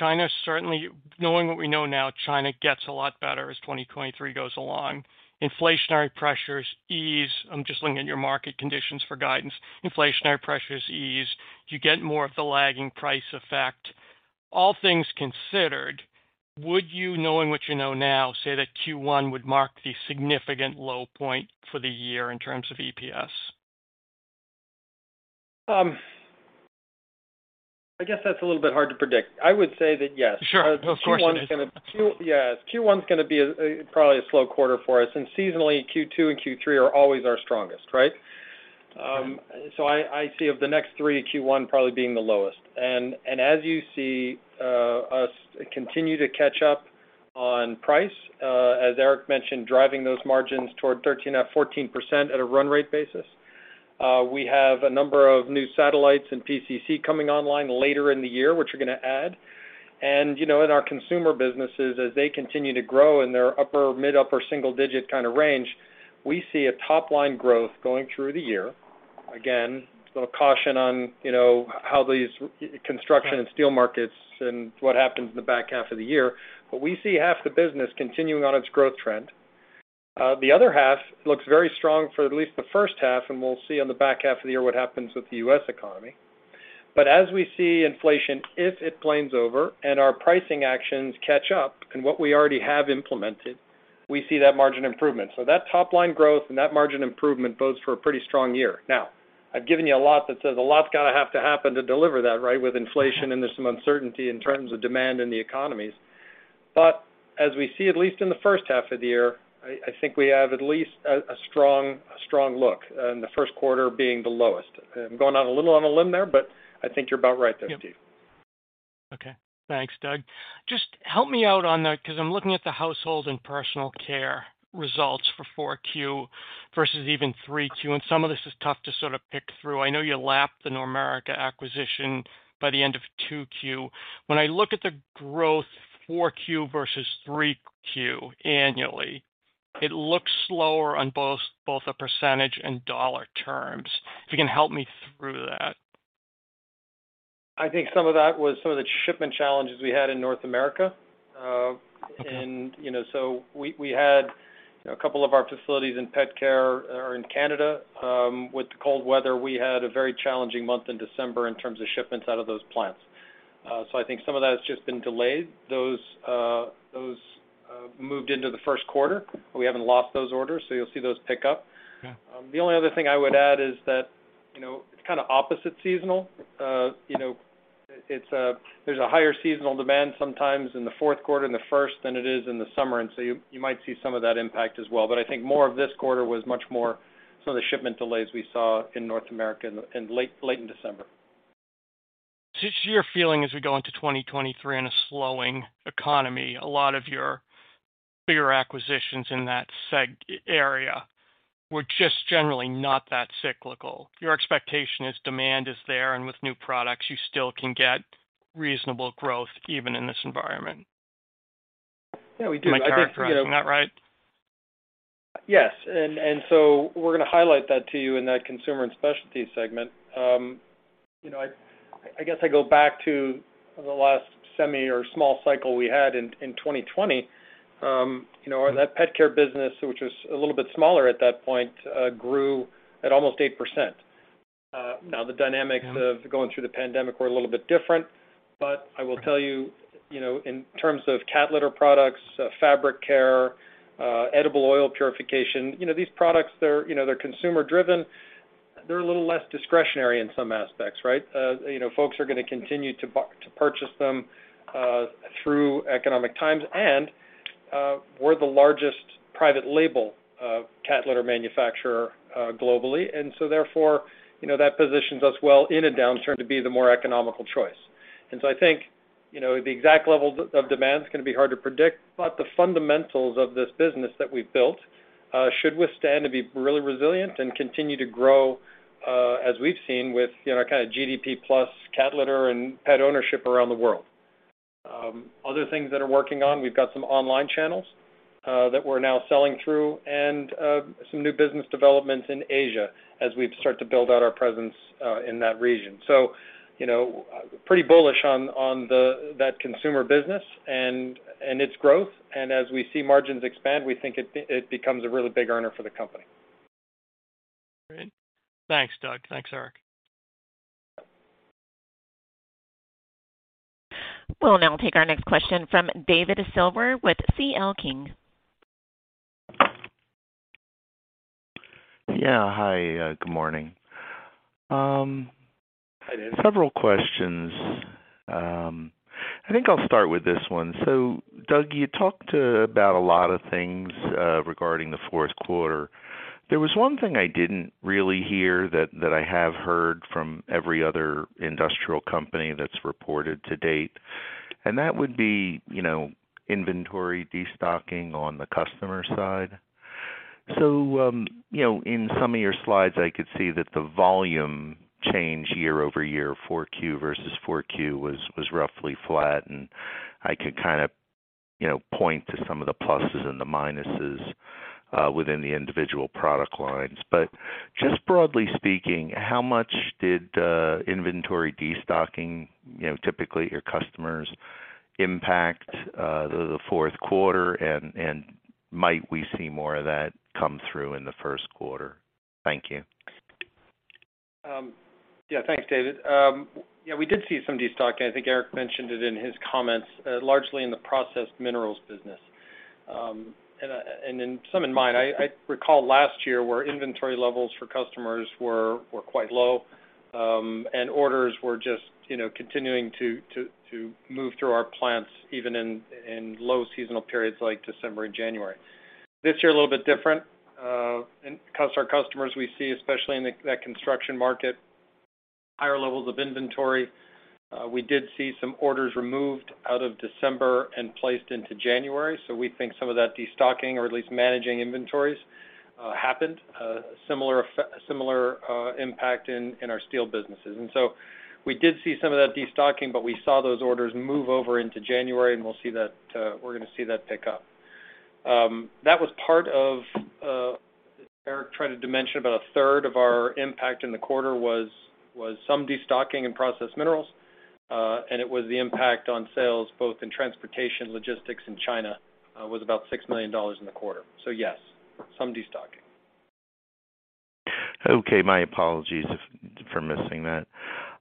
knowing what we know now, China gets a lot better as 2023 goes along. Inflationary pressures ease. I'm just looking at your market conditions for guidance. Inflationary pressures ease. You get more of the lagging price effect. All things considered, would you, knowing what you know now, say that Q1 would mark the significant low point for the year in terms of EPS? I guess that's a little bit hard to predict. I would say that yes. Sure. Of course it is. Q1 is gonna be, probably a slow quarter for us, and seasonally, Q2 and Q3 are always our strongest, right? I see of the next three, Q1 probably being the lowest. As you see, us continue to catch up on price, as Erik mentioned, driving those margins toward 13%, 14% at a run rate basis, we have a number of new satellites in PCC coming online later in the year, which are gonna add. You know, in our consumer businesses, as they continue to grow in their upper, mid upper single digit kind of range, we see a top line growth going through the year. little caution on, you know, how these construction and steel markets and what happens in the back half of the year, we see half the business continuing on its growth trend. The other half looks very strong for at least the first half, and we'll see on the back half of the year what happens with the U.S. economy. As we see inflation, if it planes over and our pricing actions catch up and what we already have implemented, we see that margin improvement. That top line growth and that margin improvement bodes for a pretty strong year. I've given you a lot that says a lot's gotta have to happen to deliver that, right, with inflation, and there's some uncertainty in terms of demand in the economies. As we see, at least in the first half of the year, I think we have at least a strong look, and the first quarter being the lowest. I'm going on a little on a limb there, but I think you're about right there, Steve. Yep. Okay. Thanks, Doug. Just help me out because I'm looking at the Household & Personal Care results for 4Q versus even 3Q, and some of this is tough to sort of pick through. I know you lapped the Normerica acquisition by the end of 2Q. When I look at the growth 4Q versu 3Q annually, it looks slower on both the % and dollar terms. If you can help me through that. I think some of that was some of the shipment challenges we had in North America. Okay... and, you know, so we had, you know, a couple of our facilities in pet care are in Canada. With the cold weather, we had a very challenging month in December in terms of shipments out of those plants. I think some of that has just been delayed. Those moved into the first quarter. We haven't lost those orders, so you'll see those pick up. Yeah. The only other thing I would add is that, you know, it's kind of opposite seasonal. You know, there's a higher seasonal demand sometimes in the fourth quarter and the first than it is in the summer, you might see some of that impact as well. I think more of this quarter was much more some of the shipment delays we saw in North America in late December. Just your feeling as we go into 2023 in a slowing economy, a lot of your bigger acquisitions in that area were just generally not that cyclical. Your expectation is demand is there, with new products, you still can get reasonable growth even in this environment? Yeah, we do. Am I characterizing that right? Yes. We're going to highlight that to you in that Consumer & Specialties segment. you know, I guess I go back to the last semi or small cycle we had in 2020. you know, that pet care business, which was a little bit smaller at that point, grew at almost 8%. Now the dynamics of going through the pandemic were a little bit different, but I will tell you know, in terms of cat litter products, fabric care, edible oil purification, you know, these products they're, you know, they're consumer driven. They're a little less discretionary in some aspects, right? you know, folks are going to continue to purchase them through economic times, we're the largest private label cat litter manufacturer globally. Therefore, you know, that positions us well in a downturn to be the more economical choice. I think, you know, the exact level of demand's gonna be hard to predict, but the fundamentals of this business that we've built should withstand to be really resilient and continue to grow, as we've seen with, you know, our kind of GDP plus cat litter and pet ownership around the world. Other things that are working on, we've got some online channels that we're now selling through and some new business developments in Asia as we start to build out our presence in that region. You know, pretty bullish on that consumer business and its growth. As we see margins expand, we think it becomes a really big earner for the company. Great. Thanks, Doug. Thanks, Erik. We'll now take our next question from David Silver with C.L. King. Yeah. Hi, good morning. Hi, David. Several questions. I think I'll start with this one. Doug, you talked about a lot of things regarding the fourth quarter. There was one thing I didn't really hear that I have heard from every other industrial company that's reported to date, and that would be, you know, inventory destocking on the customer side. You know, in some of your slides, I could see that the volume change year-over-year, 4Q versus 4Q was roughly flat. I could kind of, you know, point to some of the pluses and the minuses within the individual product lines. But just broadly speaking, how much did inventory destocking, you know, typically at your customers impact the fourth quarter? Might we see more of that come through in the first quarter? Thank you. Yeah. Thanks, David. Yeah, we did see some destocking. I think Erik mentioned it in his comments, largely in the Processed Minerals business. in some of mine, I recall last year where inventory levels for customers were quite low, and orders were just, you know, continuing to move through our plants even in low seasonal periods like December and January. This year, a little bit different, and 'cause our customers we see, especially in that construction market, higher levels of inventory. We did see some orders removed out of December and placed into January, so we think some of that destocking or at least managing inventories happened, a similar impact in our steel businesses. We did see some of that destocking, but we saw those orders move over into January, and we'll see that we're gonna see that pick up. That was part of Erik tried to mention about a third of our impact in the quarter was some destocking and Processed Minerals, and it was the impact on sales both in transportation logistics in China, was about $6 million in the quarter. Yes, some destocking. Okay. My apologies for missing that.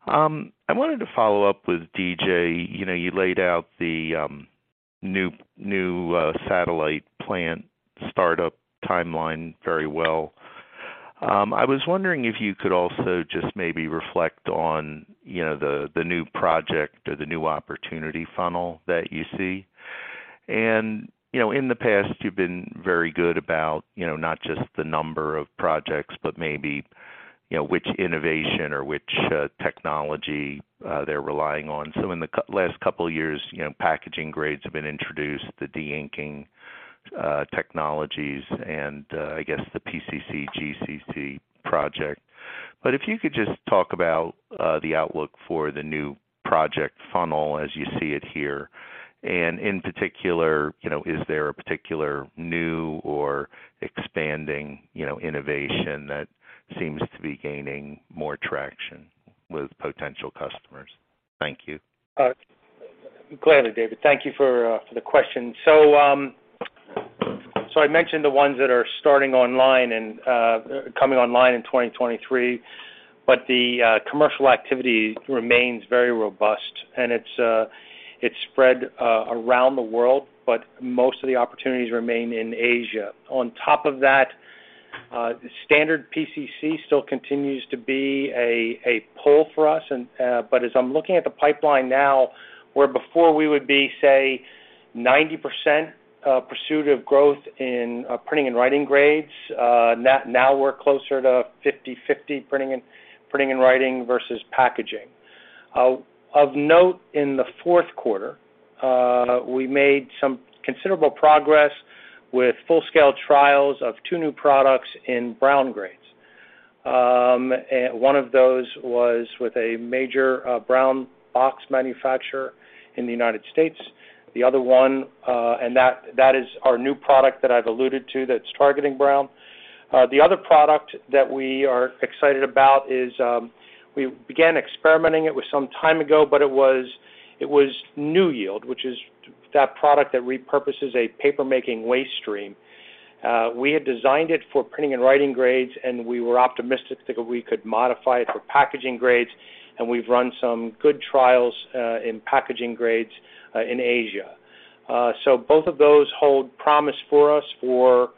I wanted to follow up with D.J. You know, you laid out the new satellite plant startup timeline very well. I was wondering if you could also just maybe reflect on, you know, the new project or the new opportunity funnel that you see. You know, in the past you've been very good about, you know, not just the number of projects, but maybe, you know, which innovation or which technology they're relying on. In the last couple of years, you know, packaging grades have been introduced, the deinking technologies and, I guess the PCC GCC project. If you could just talk about the outlook for the new project funnel as you see it here. In particular, you know, is there a particular new or expanding, you know, innovation that seems to be gaining more traction with potential customers? Thank you. Gladly, David. Thank you for the question. I mentioned the ones that are starting online and coming online in 2023, the commercial activity remains very robust and it's spread around the world, most of the opportunities remain in Asia. On top of that, standard PCC still continues to be a pull for us as I'm looking at the pipeline now, where before we would be, say, 90% pursuit of growth in printing and writing grades, now we're closer to 50/50 printing and writing versus packaging. Of note in the fourth quarter, we made some considerable progress with full scale trials of two new products in brown grades. One of those was with a major brown box manufacturer in the United States. The other one, that is our new product that I've alluded to that's targeting brown. The other product that we are excited about is, we began experimenting it with some time ago, but it was NewYield, which is that product that repurposes a paper-making waste stream. We had designed it for printing and writing grades, and we were optimistic that we could modify it for packaging grades, and we've run some good trials in packaging grades in Asia. Both of those hold promise for us for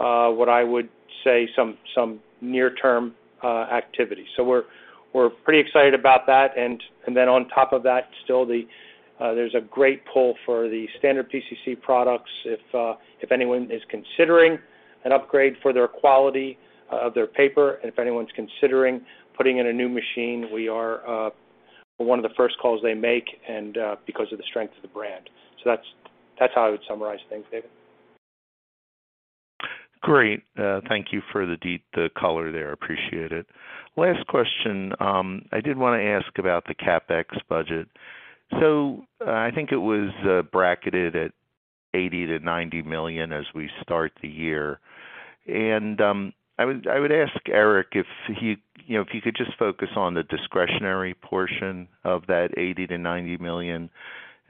what I would say some near-term activity. We're pretty excited about that. Then on top of that, still the, there's a great pull for the standard PCC products. If anyone is considering an upgrade for their quality of their paper and if anyone's considering putting in a new machine, we are one of the first calls they make and because of the strength of the brand. That's how I would summarize things, David. Great. Thank you for the deep, the color there. Appreciate it. Last question. I did wanna ask about the CapEx budget. I think it was bracketed at $80 million-$90 million as we start the year. I would ask Erik if he, you know, if he could just focus on the discretionary portion of that $80 million-$90 million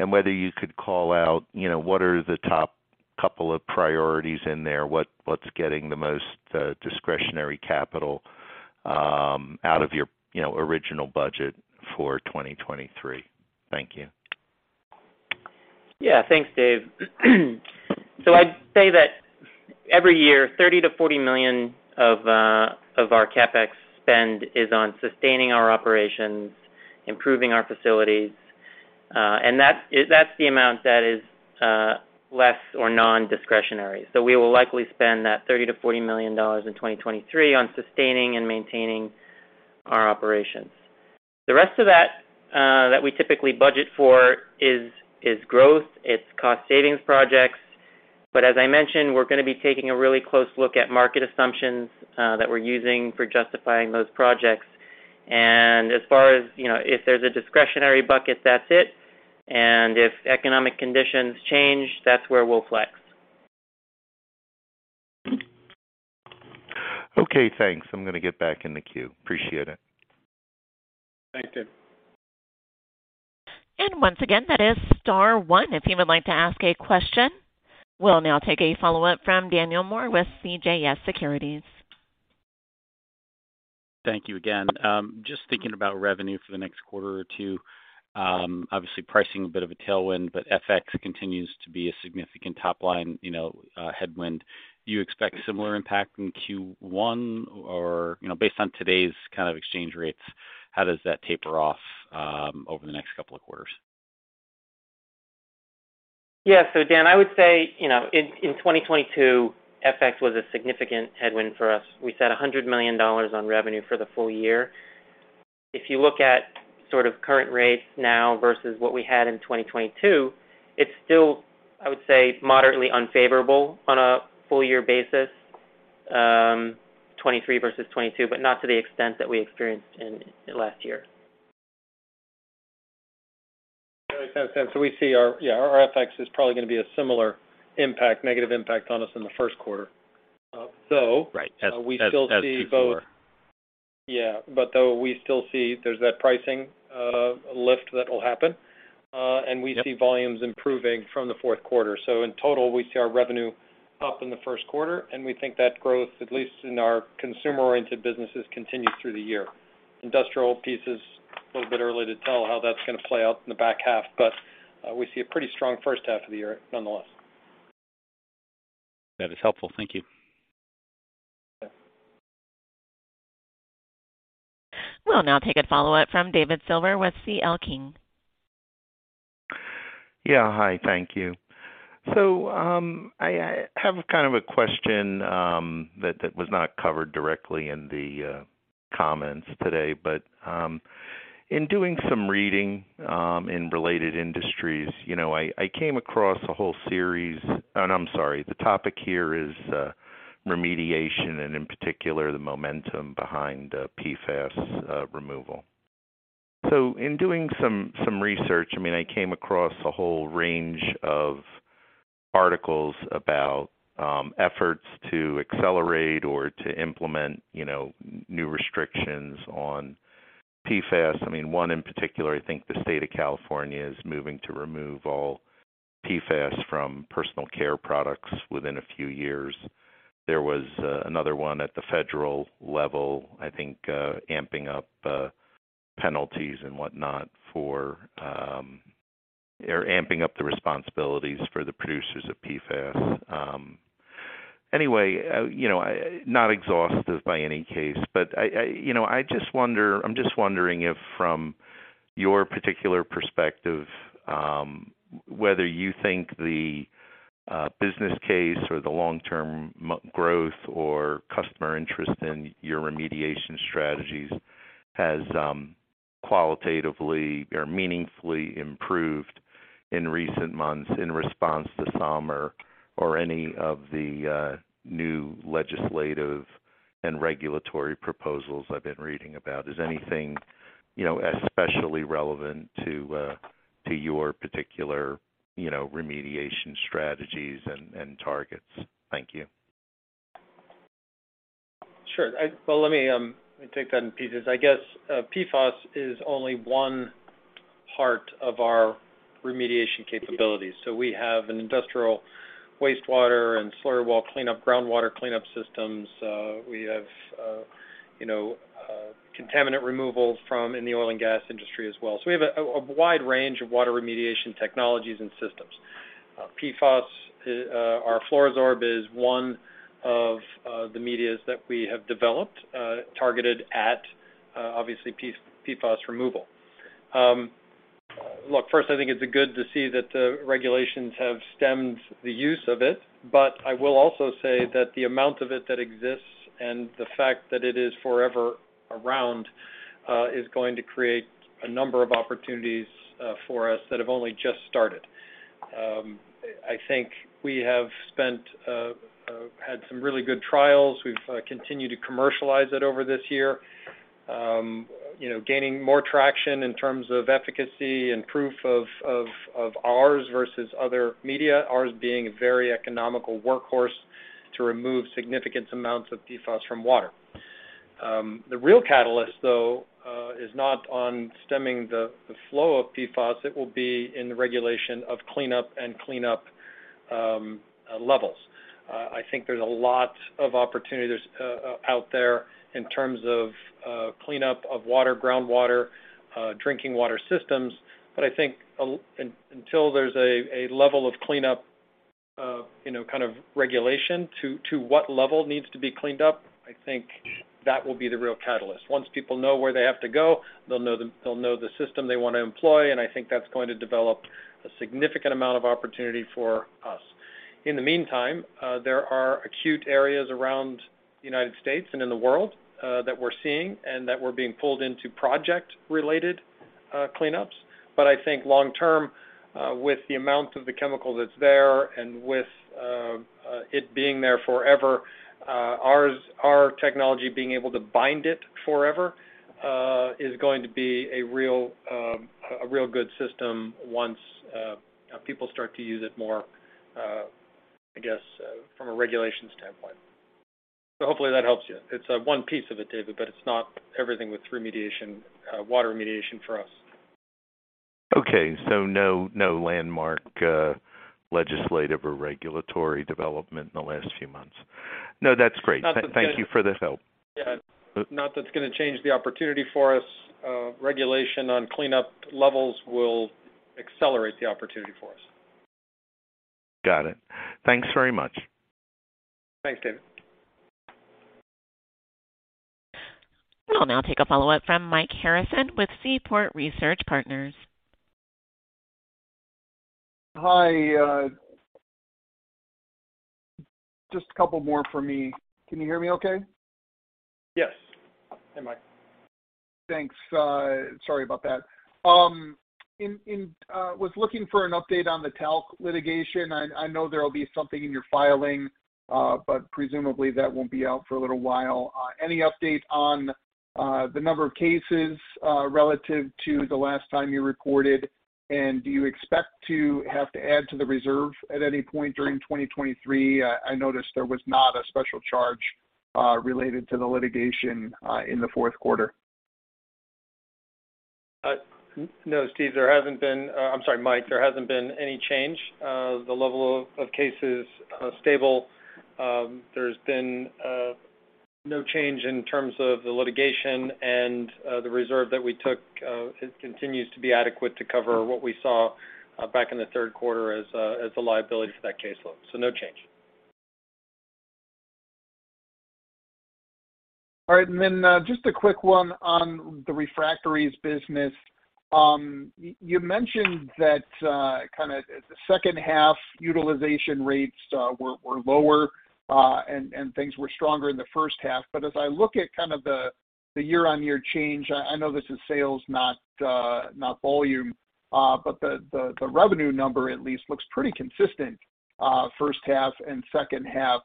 and whether you could call out, you know, what are the top couple of priorities in there, what's getting the most discretionary capital out of your, you know, original budget for 2023. Thank you. Yeah. Thanks, Dave. I'd say that every year, $30 million-$40 million of our CapEx spend is on sustaining our operations, improving our facilities, and that's the amount that is less or nondiscretionary. We will likely spend that $30 million-$40 million in 2023 on sustaining and maintaining our operations. The rest of that that we typically budget for is growth, it's cost savings projects. As I mentioned, we're gonna be taking a really close look at market assumptions that we're using for justifying those projects. As far as, you know, if there's a discretionary bucket, that's it. If economic conditions change, that's where we'll flex. Okay, thanks. I'm gonna get back in the queue. Appreciate it. Thanks, Dave. Once again, that is star one if you would like to ask a question. We'll now take a follow-up from Daniel Moore with CJS Securities. Thank you again. Just thinking about revenue for the next quarter or two, obviously pricing a bit of a tailwind, but FX continues to be a significant top line, you know, headwind. Do you expect similar impact in Q1? You know, based on today's kind of exchange rates, how does that taper off over the next couple of quarters? Dan, I would say, you know, in 2022, FX was a significant headwind for us. We set $100 million on revenue for the full year. If you look at sort of current rates now versus what we had in 2022, it's still, I would say, moderately unfavorable on a full year basis, 2023 versus 2022, but not to the extent that we experienced in the last year. We see our FX is probably gonna be a similar impact, negative impact on us in the first quarter. Right. As Q4. Yeah. Though we still see there's that pricing lift that will happen. Yep. We see volumes improving from the fourth quarter. In total, we see our revenue up in the first quarter, and we think that growth, at least in our consumer-oriented businesses, continues through the year. Industrial piece is a little bit early to tell how that's gonna play out in the back half, but, we see a pretty strong first half of the year nonetheless. That is helpful. Thank you. Yeah. We'll now take a follow up from David Silver with C.L. King. Yeah. Hi, thank you. I have kind of a question that was not covered directly in the comments today. But, in doing some reading, in related industries, you know, I came across a whole series. I'm sorry. The topic here is remediation and in particular the momentum behind PFAS removal. In doing some research, I mean, I came across a whole range of articles about efforts to accelerate or to implement, you know, new restrictions on PFAS. I mean, one in particular, I think the state of California is moving to remove all PFAS from personal care products within a few years. There was another one at the federal level, I think, amping up penalties and whatnot for, or amping up the responsibilities for the producers of PFAS. Anyway, you know, not exhaustive by any case. I, you know, I just wonder, I'm just wondering if from your particular perspective, Whether you think the business case or the long-term growth or customer interest in your remediation strategies has qualitatively or meaningfully improved in recent months in response to some or any of the new legislative and regulatory proposals I've been reading about. Is anything, you know, especially relevant to your particular, you know, remediation strategies and targets? Thank you. Sure. Well, let me take that in pieces. I guess PFAS is only one part of our remediation capabilities. We have an industrial wastewater and slurry wall cleanup, groundwater cleanup systems. We have, you know, contaminant removal in the oil and gas industry as well. We have a wide range of water remediation technologies and systems. PFAS, our FLUORO-SORB is one of the medias that we have developed, targeted at obviously PFAS removal. Look, first, I think it's good to see that the regulations have stemmed the use of it. I will also say that the amount of it that exists and the fact that it is forever around is going to create a number of opportunities for us that have only just started. I think we have spent, had some really good trials. We've continued to commercialize it over this year. You know, gaining more traction in terms of efficacy and proof of ours versus other media, ours being a very economical workhorse to remove significant amounts of PFAS from water. The real catalyst, though, is not on stemming the flow of PFAS, it will be in the regulation of cleanup and cleanup levels. I think there's a lot of opportunities out there in terms of cleanup of water, groundwater, drinking water systems. I think until there's a level of cleanup, you know, kind of regulation to what level needs to be cleaned up, I think that will be the real catalyst. Once people know where they have to go, they'll know the system they wanna employ. I think that's going to develop a significant amount of opportunity for us. In the meantime, there are acute areas around the United States and in the world that we're seeing and that we're being pulled into project-related cleanups. I think long term, with the amount of the chemical that's there and with it being there forever, our technology being able to bind it forever, is going to be a real, a real good system once people start to use it more, I guess, from a regulation standpoint. Hopefully that helps you. It's one piece of it, David, but it's not everything with remediation, water remediation for us. Okay. No, no landmark, legislative or regulatory development in the last few months. No, that's great. Not that- Thank you for the help. Yeah. Not that's gonna change the opportunity for us. Regulation on cleanup levels will accelerate the opportunity for us. Got it. Thanks very much. Thanks, David. We'll now take a follow up from Mike Harrison with Seaport Research Partners. Hi, just a couple more for me. Can you hear me okay? Yes. Hey, Mike. Thanks. Sorry about that. Was looking for an update on the talc litigation. I know there will be something in your filing, but presumably that won't be out for a little while. Any update on the number of cases relative to the last time you reported? Do you expect to have to add to the reserve at any point during 2023? I noticed there was not a special charge related to the litigation in the fourth quarter. No, Steve, there hasn't been. I'm sorry, Mike. There hasn't been any change. The level of cases, stable. There's been no change in terms of the litigation and the reserve that we took continues to be adequate to cover what we saw back in the third quarter as the liability for that caseload. No change. All right. Just a quick one on the Refractories business. You mentioned that kinda the second half utilization rates were lower and things were stronger in the first half. As I look at kind of the year-on-year change, I know this is sales, not volume, but the revenue number at least looks pretty consistent, first half and second half.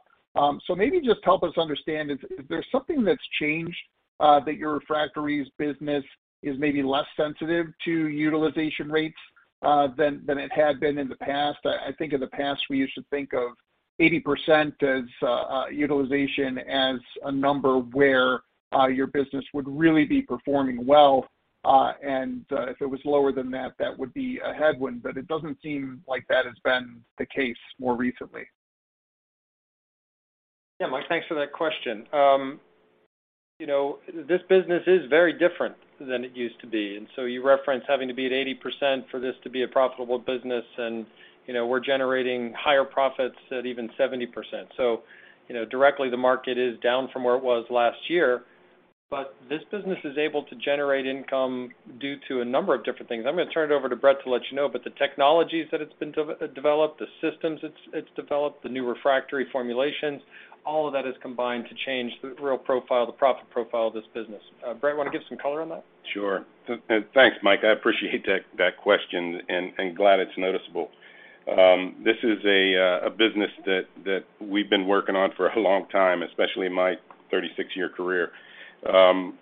Maybe just help us understand if there's something that's changed that your Refractories business is maybe less sensitive to utilization rates than it had been in the past. I think in the past, we used to think of 80% as utilization as a number where your business would really be performing well. If it was lower than that would be a headwind. It doesn't seem like that has been the case more recently. Yeah, Mike, thanks for that question. You know, this business is very different than it used to be. You referenced having to be at 80% for this to be a profitable business. You know, we're generating higher profits at even 70%. You know, directly the market is down from where it was last year. This business is able to generate income due to a number of different things. I'm gonna turn it over to Brett to let you know, but the technologies that it's been developed, the systems it's developed, the new refractory formulations, all of that is combined to change the real profile, the profit profile of this business. Brett, wanna give some color on that? Sure. Thanks, Mike. I appreciate that question and glad it's noticeable. This is a business that we've been working on for a long time, especially in my 36 year career.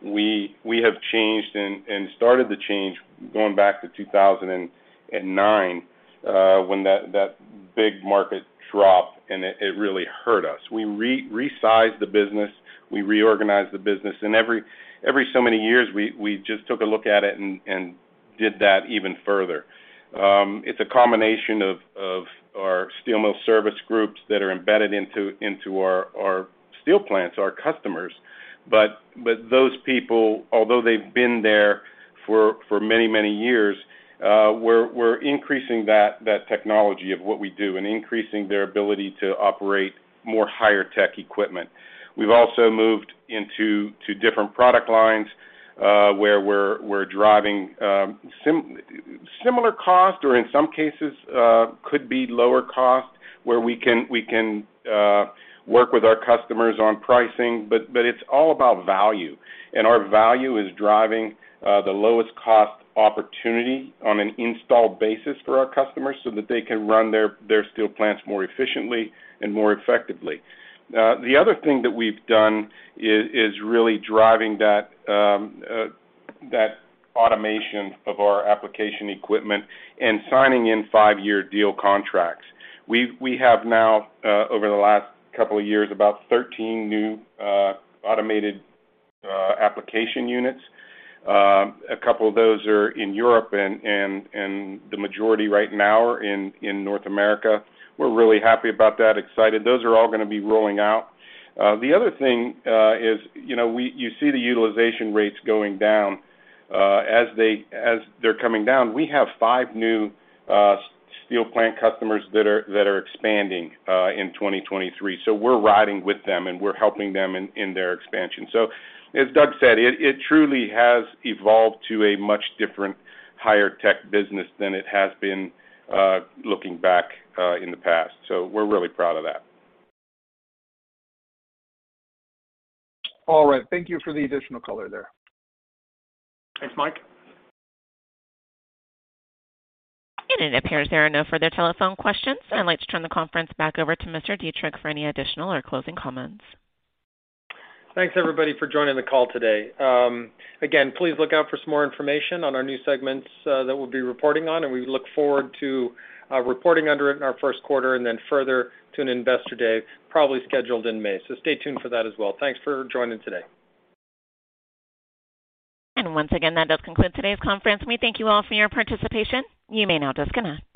We have changed and started the change going back to 2009 when that big market dropped and it really hurt us. We resized the business. We reorganized the business. Every so many years, we just took a look at it and did that even further. It's a combination of our steel mill service groups that are embedded into our steel plants, our customers. Those people, although they've been there for many years, we're increasing that technology of what we do and increasing their ability to operate more higher tech equipment. We've also moved into different product lines, where we're driving similar cost or in some cases, could be lower cost where we can work with our customers on pricing, but it's all about value. Our value is driving the lowest cost opportunity on an installed basis for our customers, so that they can run their steel plants more efficiently and more effectively. The other thing that we've done is really driving that automation of our application equipment and signing in five year deal contracts. We have now over the last couple of years, about 13 new automated application units. A couple of those are in Europe and the majority right now are in North America. We're really happy about that, excited. Those are all gonna be rolling out. The other thing is, you know, you see the utilization rates going down. As they're coming down, we have 5 new steel plant customers that are expanding in 2023. We're riding with them, and we're helping them in their expansion. As Doug said, it truly has evolved to a much different higher tech business than it has been looking back in the past. We're really proud of that. All right. Thank you for the additional color there. Thanks, Mike. It appears there are no further telephone questions. I'd like to turn the conference back over to Mr. Dietrich for any additional or closing comments. Thanks, everybody, for joining the call today. Again, please look out for some more information on our new segments, that we'll be reporting on, and we look forward to, reporting under it in our first quarter and then further to an investor day, probably scheduled in May. Stay tuned for that as well. Thanks for joining today. Once again, that does conclude today's conference. We thank you all for your participation. You may now disconnect.